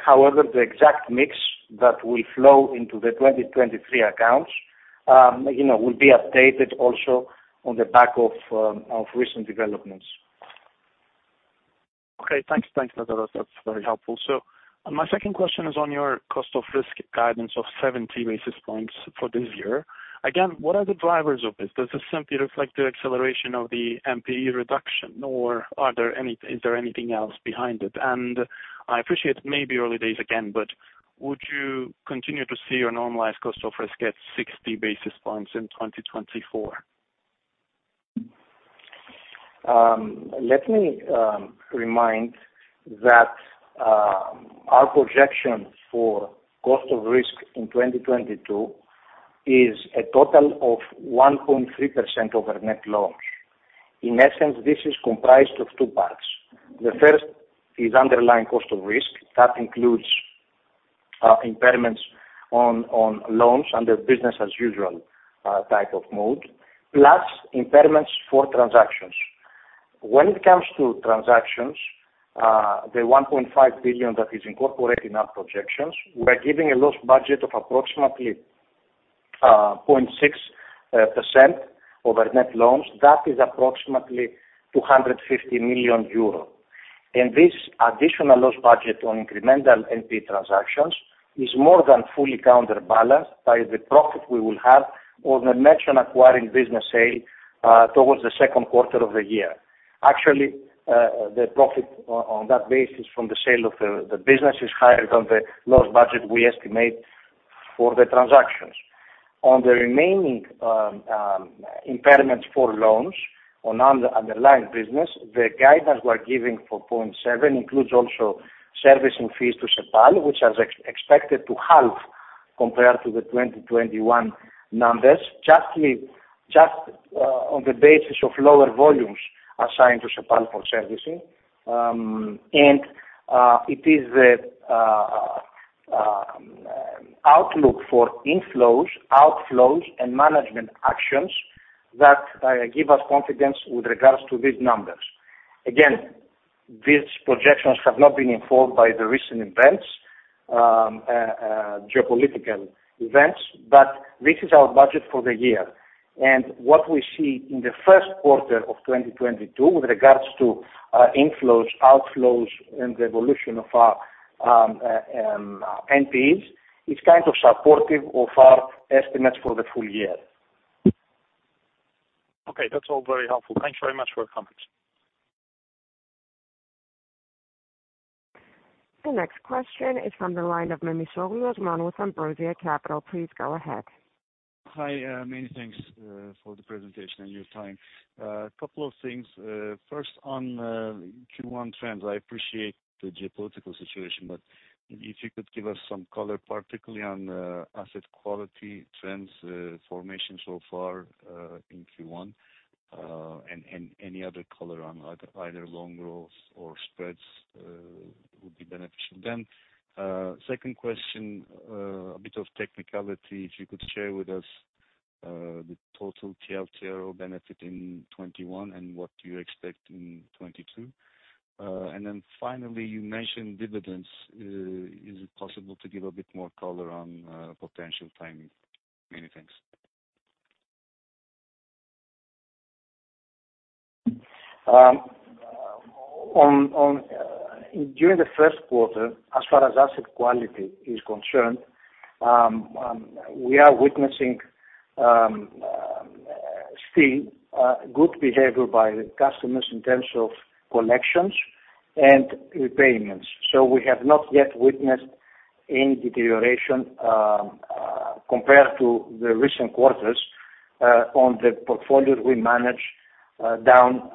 However, the exact mix that will flow into the 2023 accounts, you know, will be updated also on the back of recent developments. Okay. Thanks. Thanks, Natasha. That's very helpful. My second question is on your cost of risk guidance of 70 basis points for this year. Again, what are the drivers of this? Does this simply reflect the acceleration of the NPE reduction, or is there anything else behind it? I appreciate it may be early days again, but would you continue to see your normalized cost of risk at 60 basis points in 2024? Let me remind that our projection for cost of risk in 2022 is a total of 1.3% of our net loans. In essence, this is comprised of two parts. The first is underlying cost of risk. That includes impairments on loans under business as usual type of mode, plus impairments for transactions. When it comes to transactions, the 1.5 billion that is incorporated in our projections, we're giving a loss budget of approximately 0.6% of our net loans. That is approximately 250 million euros. This additional loss budget on incremental NP transactions is more than fully counterbalanced by the profit we will have on the mentioned acquiring business, say, towards the second quarter of the year. Actually, the profit on that basis from the sale of the business is higher than the loss budget we estimate for the transactions. On the remaining impairments for loans on underlying business, the guidance we're giving for 0.7 includes also servicing fees to Cepal, which is expected to halve compared to the 2021 numbers, just on the basis of lower volumes assigned to Cepal for servicing. It is the outlook for inflows, outflows, and management actions that give us confidence with regards to these numbers. Again, these projections have not been informed by the recent geopolitical events, but this is our budget for the year. What we see in the first quarter of 2022 with regards to inflows, outflows, and the evolution of our NPEs, it's kind of supportive of our estimates for the full year. Okay. That's all very helpful. Thanks very much for your comments. The next question is from the line of Osman Memisoglu with Ambrosia Capital. Please go ahead. Hi, many thanks for the presentation and your time. Couple of things. First on Q1 trends. I appreciate the geopolitical situation, but if you could give us some color, particularly on asset quality trends, formation so far in Q1, and any other color on either loan growth or spreads, would be beneficial. Second question, a bit of technicality. If you could share with us the total TLTRO benefit in 2021 and what you expect in 2022. Finally, you mentioned dividends. Is it possible to give a bit more color on potential timing? Many thanks. During the first quarter, as far as asset quality is concerned, we are witnessing still good behavior by the customers in terms of collections, and repayments. We have not yet witnessed any deterioration compared to the recent quarters on the portfolios we manage down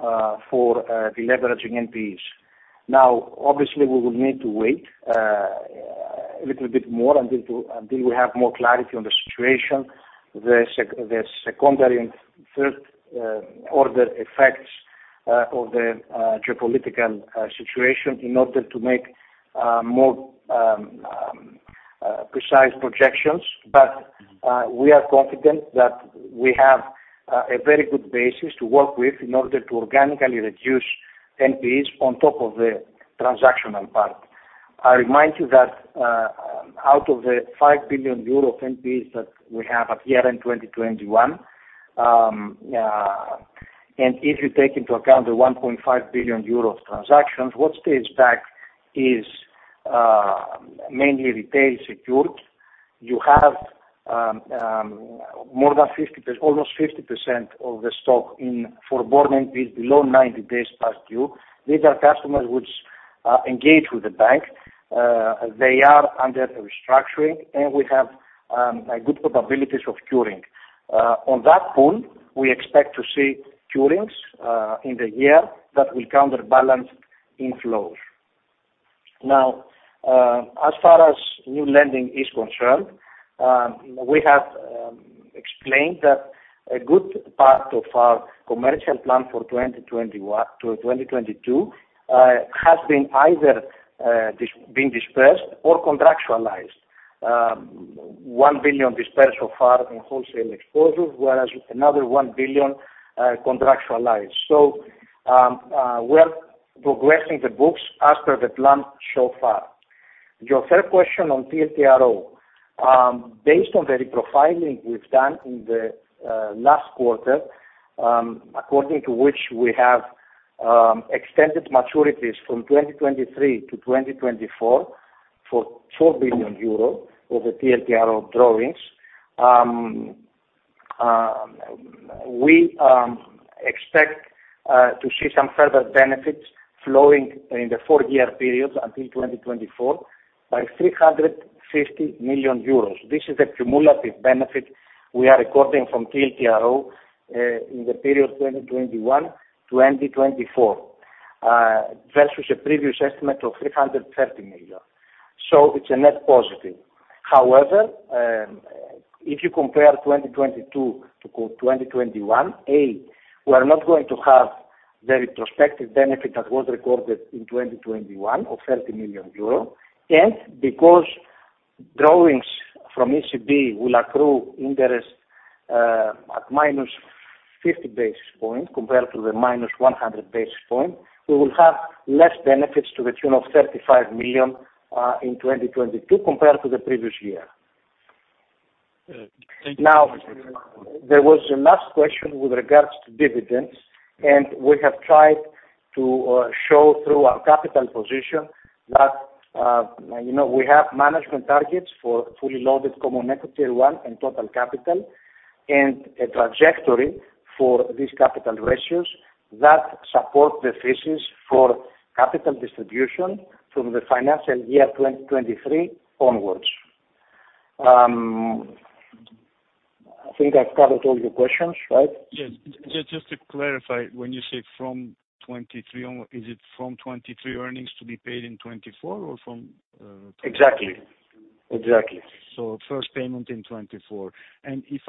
for deleveraging NPEs. Now, obviously, we will need to wait a little bit more until we have more clarity on the situation, the secondary and third order effects of the geopolitical situation in order to make more precise projections. We are confident that we have a very good basis to work with in order to organically reduce NPEs on top of the transactional part. I remind you that, out of the 5 billion euro NPEs that we have at year-end 2021, and if you take into account the 1.5 billion euro transactions, what stays back is, mainly retail secured. You have, more than 50%, almost 50% of the stock in forborne NPEs below 90 days past due. These are customers which, engage with the bank. They are under restructuring, and we have, a good probabilities of curing. On that pool, we expect to see curings, in the year that will counterbalance inflows. Now, as far as new lending is concerned, we have, explained that a good part of our commercial plan for 2021 to 2022, has been either, being dispersed or contractualized. 1 billion dispersed so far in wholesale exposures, whereas another 1 billion contractualized. We're progressing the books as per the plan so far. Your third question on TLTRO. Based on the reprofiling we've done in the last quarter, according to which we have extended maturities from 2023 to 2024 for 4 billion euros of the TLTRO drawings. We expect to see some further benefits flowing in the four-year periods until 2024 by 350 million euros. This is the cumulative benefit we are recording from TLTRO in the period 2021 to 2024 versus a previous estimate of 330 million. It's a net positive. However, if you compare 2022 to 2021, we're not going to have the retrospective benefit that was recorded in 2021 of 30 million euro. Because drawings from ECB will accrue interest at -50 basis points compared to the -100 basis points, we will have less benefits to the tune of 35 million in 2022 compared to the previous year. Thank you. Now, there was a last question with regards to dividends, and we have tried to show through our capital position that, you know, we have management targets for fully loaded common equity, tier one and total capital, and a trajectory for these capital ratios that support the thesis for capital distribution from the financial year 2023 onwards. I think I've covered all your questions, right? Yes. Just to clarify, when you say from 2023 onward, is it from 2023 earnings to be paid in 2024 or from, Exactly. First payment in 2024. Yes.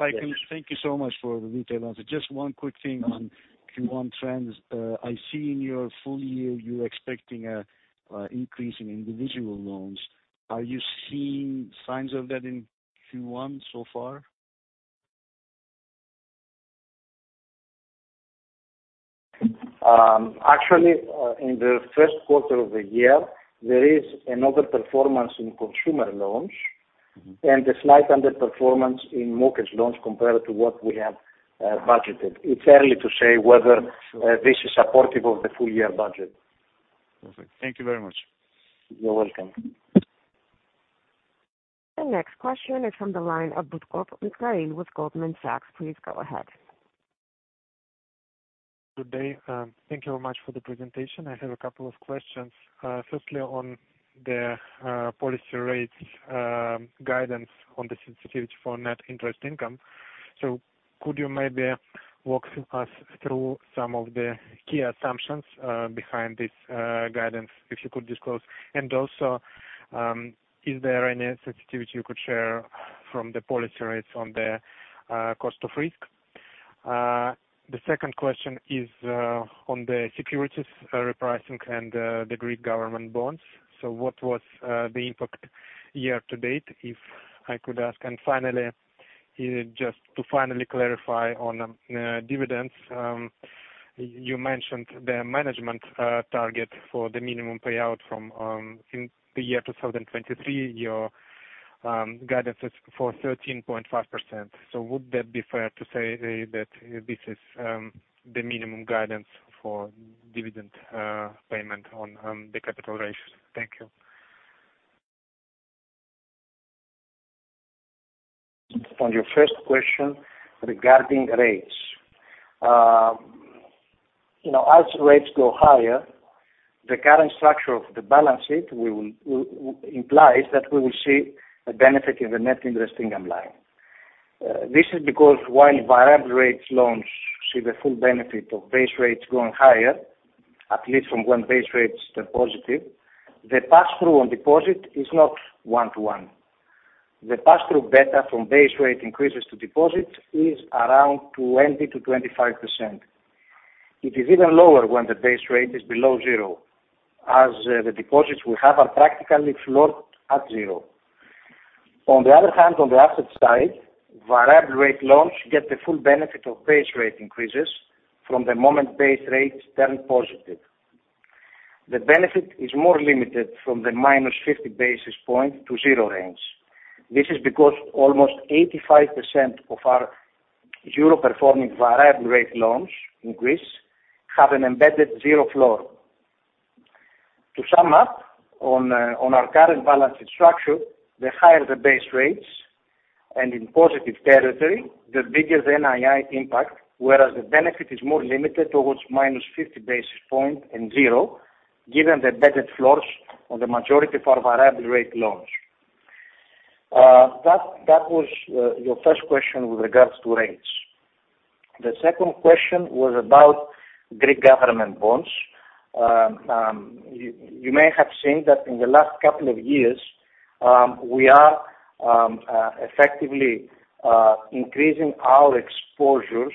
Thank you so much for the detailed answer. Just one quick thing on Q1 trends. I see in your full year, you're expecting an increase in individual loans. Are you seeing signs of that in Q1 so far? Actually, in the first quarter of the year, there is outperformance in consumer loans and a slight underperformance in mortgage loans compared to what we have budgeted. It's early to say whether this is supportive of the full year budget. Perfect. Thank you very much. You're welcome. The next question is from the line of Mikhail Butkov with Goldman Sachs. Please go ahead. Good day. Thank you very much for the presentation. I have a couple of questions. Firstly on the policy rates guidance on the sensitivity for net interest income. So could you maybe walk us through some of the key assumptions behind this guidance, if you could disclose? And also, is there any sensitivity you could share from the policy rates on the cost of risk? The second question is on the securities repricing and the Greek government bonds. So what was the impact year to date, if I could ask? And finally, just to finally clarify on dividends, you mentioned the management target for the minimum payout from in the year 2023, your guidance is for 13.5%. Would that be fair to say that this is the minimum guidance for dividend payment on the capital ratios? Thank you. On your first question regarding rates. You know, as rates go higher, the current structure of the balance sheet implies that we will see a benefit in the net interest income line. This is because while variable rate loans see the full benefit of base rates going higher, at least from when base rates turn positive, the pass-through on deposits is not 1-to-1. The pass-through beta from base rate increases to deposits is around 20%-25%. It is even lower when the base rate is below zero, as the deposits we have are practically floored at zero. On the other hand, on the asset side, variable rate loans get the full benefit of base rate increases from the moment base rates turn positive. The benefit is more limited from the -50 basis points to zero range. This is because almost 85% of our euro performing variable rate loans in Greece have an embedded zero floor. To sum up, on our current balance sheet structure, the higher the base rates, and in positive territory, the biggest NII impact, whereas the benefit is more limited towards minus 50 basis points and zero, given the embedded floors on the majority of our variable rate loans. That was your first question with regards to rates. The second question was about Greek government bonds. You may have seen that in the last couple of years, we are effectively increasing our exposures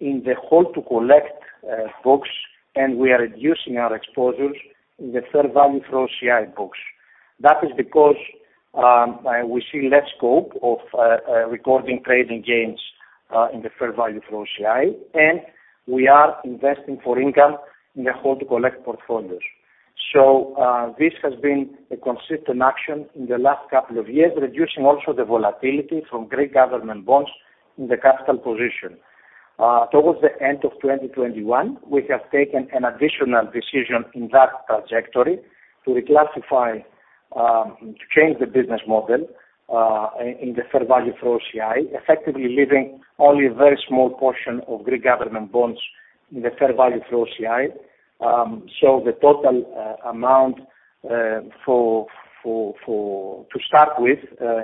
in the hold to collect books, and we are reducing our exposures in the fair value for OCI books. That is because we see less scope of recording trading gains in the fair value for OCI, and we are investing for income in the hold to collect portfolios. This has been a consistent action in the last couple of years, reducing also the volatility from Greek government bonds in the capital position. Towards the end of 2021, we have taken an additional decision in that trajectory to reclassify to change the business model in the fair value for OCI, effectively leaving only a very small portion of Greek government bonds in the fair value for OCI. The total amount for to start with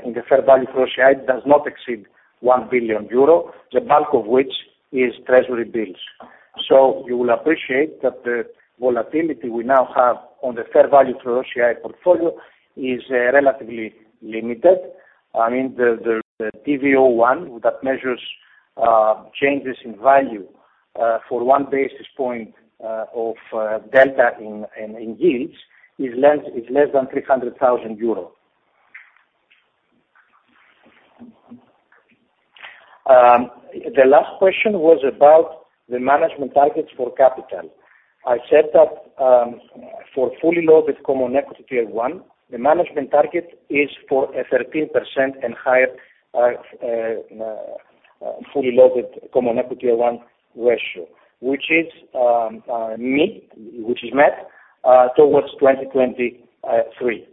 in the fair value for OCI does not exceed 1 billion euro, the bulk of which is treasury bills. You will appreciate that the volatility we now have on the fair value for OCI portfolio is relatively limited. I mean, the DV01 that measures changes in value for one basis point of delta in yields is less than 300,000 euros. The last question was about the management targets for capital. I said that for fully loaded Common Equity Tier 1, the management target is for 13% and higher fully loaded Common Equity Tier 1 ratio, which is met towards 2023.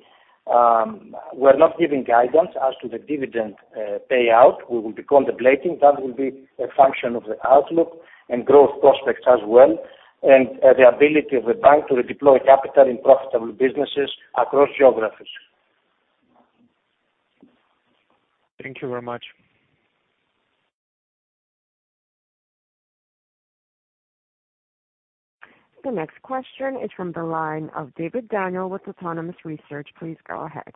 We're not giving guidance as to the dividend payout. We will be contemplating. That will be a function of the outlook and growth prospects as well, and the ability of the bank to deploy capital in profitable businesses across geographies. Thank you very much. The next question is from the line of Daniel David with Autonomous Research. Please go ahead.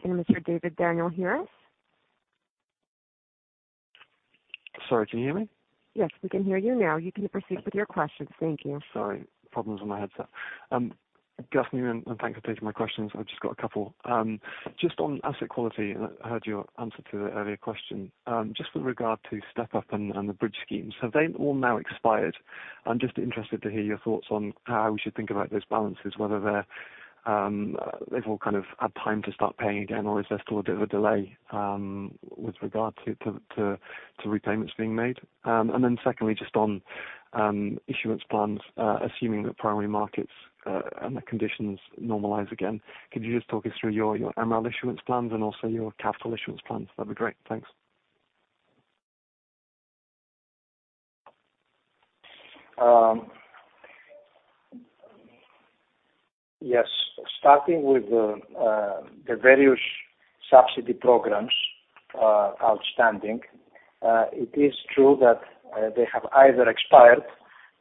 Can Mr. Daniel David hear us? Sorry, can you hear me? Yes, we can hear you now. You can proceed with your questions. Thank you. Sorry, problems with my headset. Good afternoon, and thanks for taking my questions. I've just got a couple. Just on asset quality, I heard your answer to the earlier question. Just with regard to Step-up and the Bridge schemes, have they all now expired? I'm just interested to hear your thoughts on how we should think about those balances, whether they've all kind of had time to start paying again, or is there still a bit of a delay with regard to repayments being made? Secondly, just on issuance plans, assuming that primary markets and the conditions normalize again, could you just talk us through your MREL issuance plans and also your capital issuance plans? That'd be great. Thanks. Yes. Starting with the various subsidy programs outstanding, it is true that they have either expired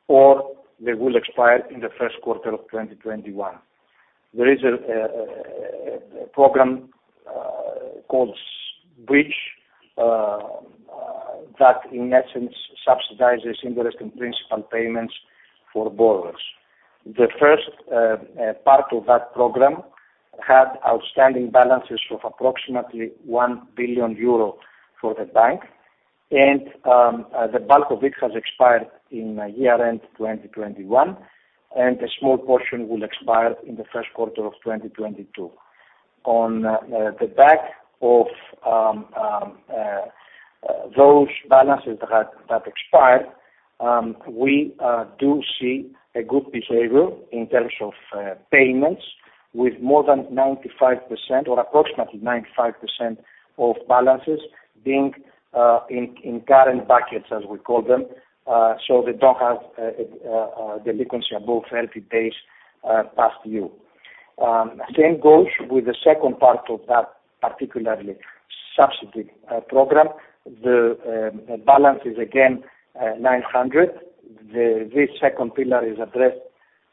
or they will expire in the first quarter of 2021. There is a program called BRIDGE that in essence subsidizes interest, and principal payments for borrowers. The first part of that program had outstanding balances of approximately 1 billion euro for the bank, and the bulk of it has expired in year-end 2021, and a small portion will expire in the first quarter of 2022. On the back of those balances that expired, we do see a good behavior in terms of payments with more than 95% or approximately 95% of balances being in current buckets, as we call them. They don't have a delinquency of over 30 days past due. Same goes with the second part of that particular subsidy program. The balance is again 900 million. This second pillar is addressed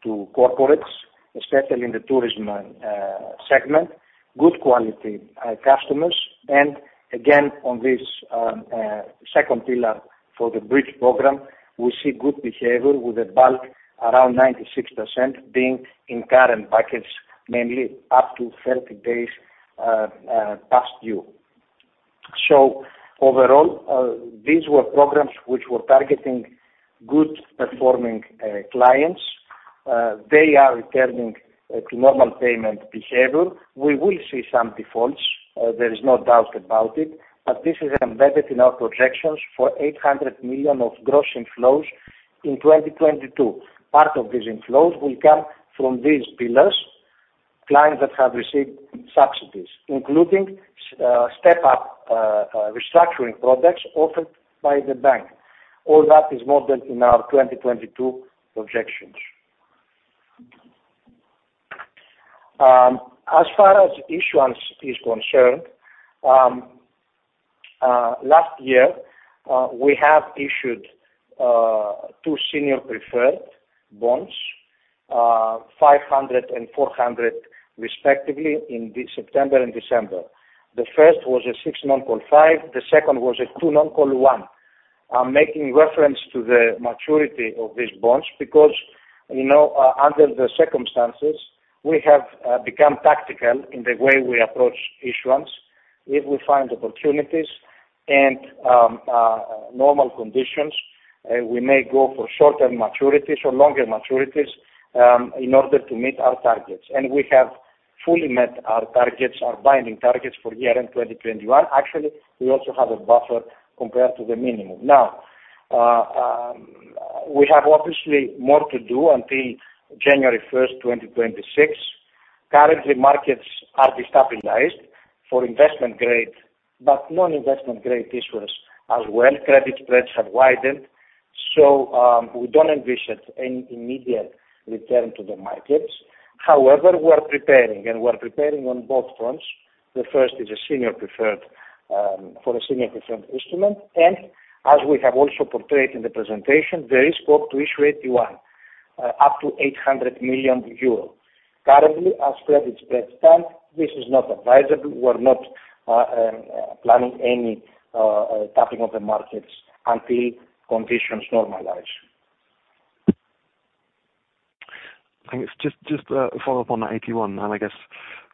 to corporates, especially in the tourism segment, good quality customers. Again, on this second pillar for the Bridge Programme, we see good behavior with the bulk around 96% being in current buckets, mainly up to 30 days past due. Overall, these were programs which were targeting good performing clients. They are returning to normal payment behavior. We will see some defaults, there is no doubt about it, but this is embedded in our projections for 800 million of gross inflows in 2022. Part of these inflows will come from these pillars, clients that have received subsidies, including Step-up restructuring products offered by the bank. All that is modeled in our 2022 projections. As far as issuance is concerned, last year we have issued two senior preferred bonds, 500 and 400 respectively in September and December. The first was a 6 non-call 5, the second was a 2 non-call 1. I'm making reference to the maturity of these bonds because, you know, under the circumstances, we have become tactical in the way we approach issuance. If we find opportunities and normal conditions, we may go for short-term maturities or longer maturities, in order to meet our targets. We have fully met our targets, our binding targets for year-end 2021. Actually, we also have a buffer compared to the minimum. Now, we have obviously more to do until January 1, 2026. Currently, markets are destabilized for investment grade, but non-investment grade issuers as well. Credit spreads have widened, so we don't envision any immediate return to the markets. However, we're preparing, and we're preparing on both fronts. The first is a senior preferred for a senior preferred instrument. As we have also portrayed in the presentation, there is scope to issue AT1 up to 800 million euros. Currently, as credit spreads stand, this is not advisable. We're not planning any tapping of the markets until conditions normalize. Thanks. Just a follow-up on that AT1, and I guess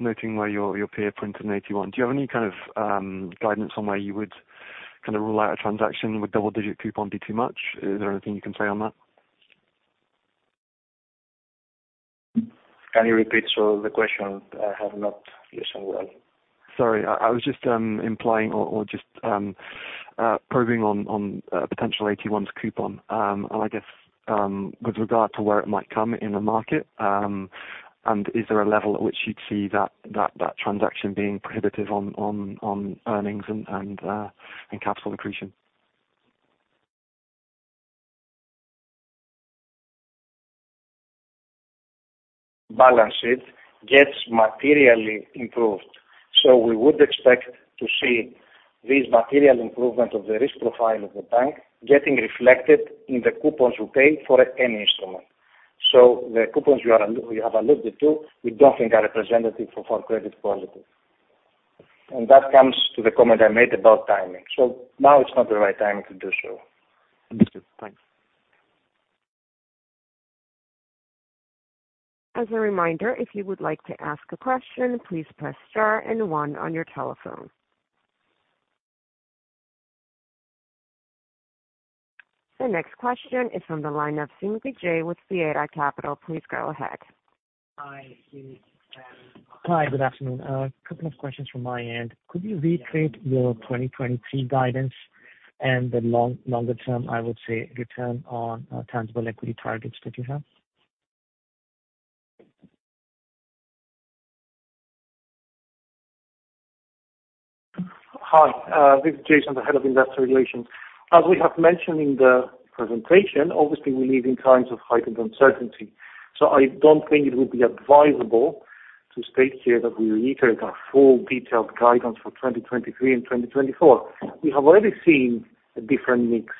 noting where your peer printed an AT1. Do you have any kind of guidance on where you would kind of rule out a transaction? Would double-digit coupon be too much? Is there anything you can say on that? Can you repeat the question? I have not listened well. Sorry. I was just implying or just probing on a potential AT1's coupon. I guess, with regard to where it might come in the market, and is there a level at which you'd see that transaction being prohibitive on earnings and capital accretion? Balance sheet gets materially improved. We would expect to see this material improvement of the risk profile of the bank getting reflected in the coupons we pay for any instrument. The coupons you have alluded to, we don't think are representative of our credit quality. That comes to the comment I made about timing. Now it's not the right time to do so. Understood. Thanks. As a reminder, if you would like to ask a question, please press star and one on your telephone. The next question is from the line of Simbi Jay with Fiera Capital. Please go ahead. Hi, good afternoon. Couple of questions from my end. Could you reiterate your 2023 guidance and the longer term, I would say return on tangible equity targets that you have? Hi, this is Jason, Head of Investor Relations. As we have mentioned in the presentation, obviously, we live in times of heightened uncertainty, so I don't think it would be advisable to state here that we reiterate our full detailed guidance for 2023 and 2024. We have already seen a different mix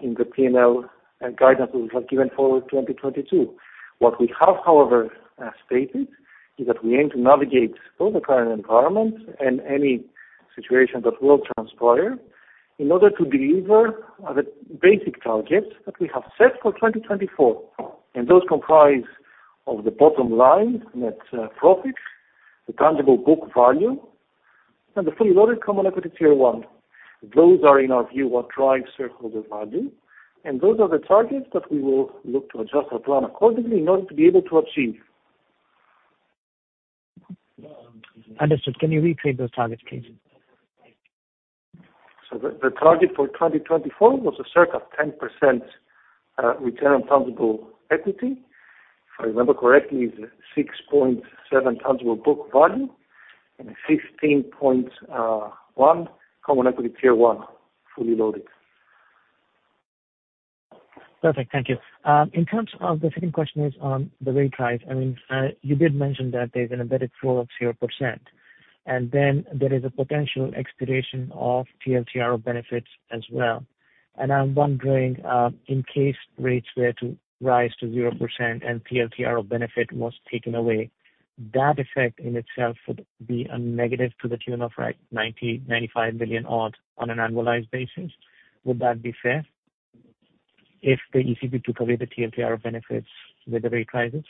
in the P&L guidance that we have given for 2022. What we have, however, stated is that we aim to navigate both the current environment and any situation that will transpire in order to deliver the basic targets that we have set for 2024. Those comprise of the bottom line, net profits, the tangible book value, and the fully loaded common equity tier one. Those are, in our view, what drives shareholder value, and those are the targets that we will look to adjust our plan accordingly in order to be able to achieve. Understood. Can you reiterate those targets, please? The target for 2024 was a circa 10% return on tangible equity. If I remember correctly, it's 6.7 tangible book value and 15.1 common equity tier one, fully loaded. Perfect. Thank you. In terms of the second question is on the rate rise. I mean, you did mention that there's an embedded floor of 0%, and then there is a potential expiration of TLTRO benefits as well. I'm wondering, in case rates were to rise to 0% and TLTRO benefit was taken away, that effect in itself would be a negative to the tune of, right, 90-95 million odd on an annualized basis. Would that be fair if the ECB took away the TLTRO benefits with the rate rises?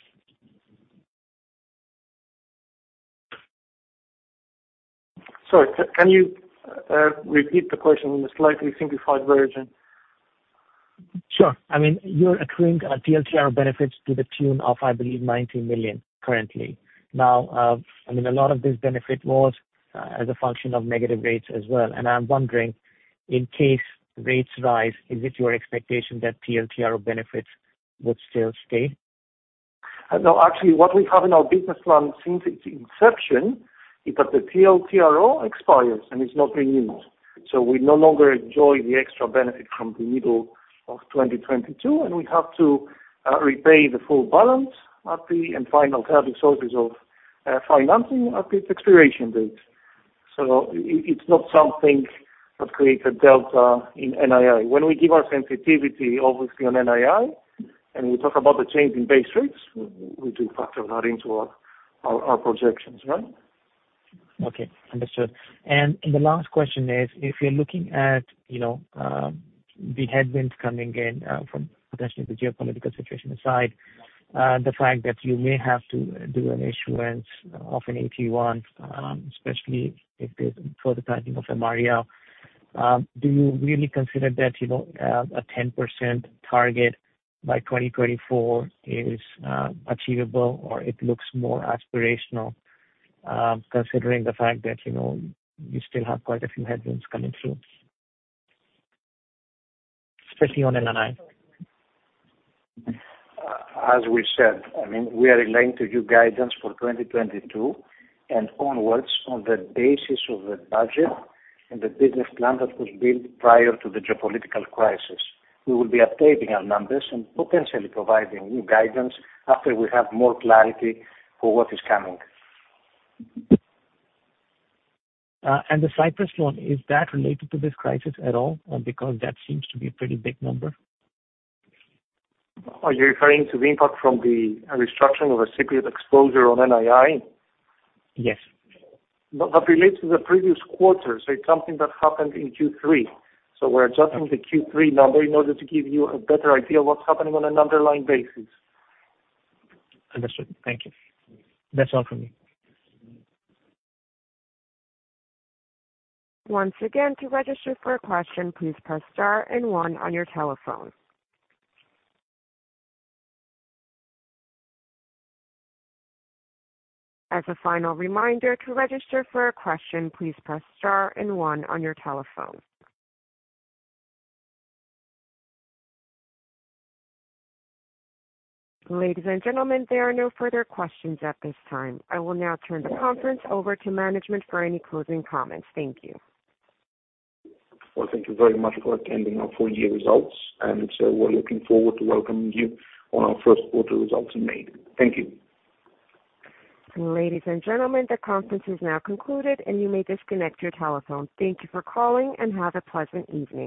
Sorry, can you repeat the question in a slightly simplified version? Sure. I mean, you're accruing TLTRO benefits to the tune of, I believe, 90 million currently. Now, I mean, a lot of this benefit was as a function of negative rates as well. I'm wondering, in case rates rise, is it your expectation that TLTRO benefits would still stay? No. Actually, what we have in our business plan since its inception is that the TLTRO expires and is not renewed. We no longer enjoy the extra benefit from the middle of 2022, and we have to repay the full balance at the end, final service of financing at its expiration date. It's not something that creates a delta in NII. When we give our sensitivity, obviously, on NII, and we talk about the change in base rates, we do factor that into our projections. Right? Okay. Understood. The last question is, if you're looking at, you know, the headwinds coming in from potentially the geopolitical situation aside, the fact that you may have to do an issuance of an AT1, especially if there's further tightening of MREL, do you really consider that, you know, a 10% target by 2024 is achievable or it looks more aspirational, considering the fact that, you know, you still have quite a few headwinds coming through, especially on NII? As we said, I mean, we are relying on your guidance for 2022 and onwards on the basis of the budget and the business plan that was built prior to the geopolitical crisis. We will be updating our numbers and potentially providing new guidance after we have more clarity for what is coming. The Cyprus loan, is that related to this crisis at all? Because that seems to be a pretty big number. Are you referring to the impact from the restructuring of a securitized exposure on NII? Yes. No, that relates to the previous quarter. It's something that happened in Q3. We're adjusting the Q3 number in order to give you a better idea of what's happening on an underlying basis. Understood. Thank you. That's all from me. Ladies and gentlemen, there are no further questions at this time. I will now turn the conference over to management for any closing comments. Thank you. Well, thank you very much for attending our full year results, and we're looking forward to welcoming you on our first quarter results in May. Thank you. Ladies and gentlemen, the conference is now concluded, and you may disconnect your telephone. Thank you for calling and have a pleasant evening.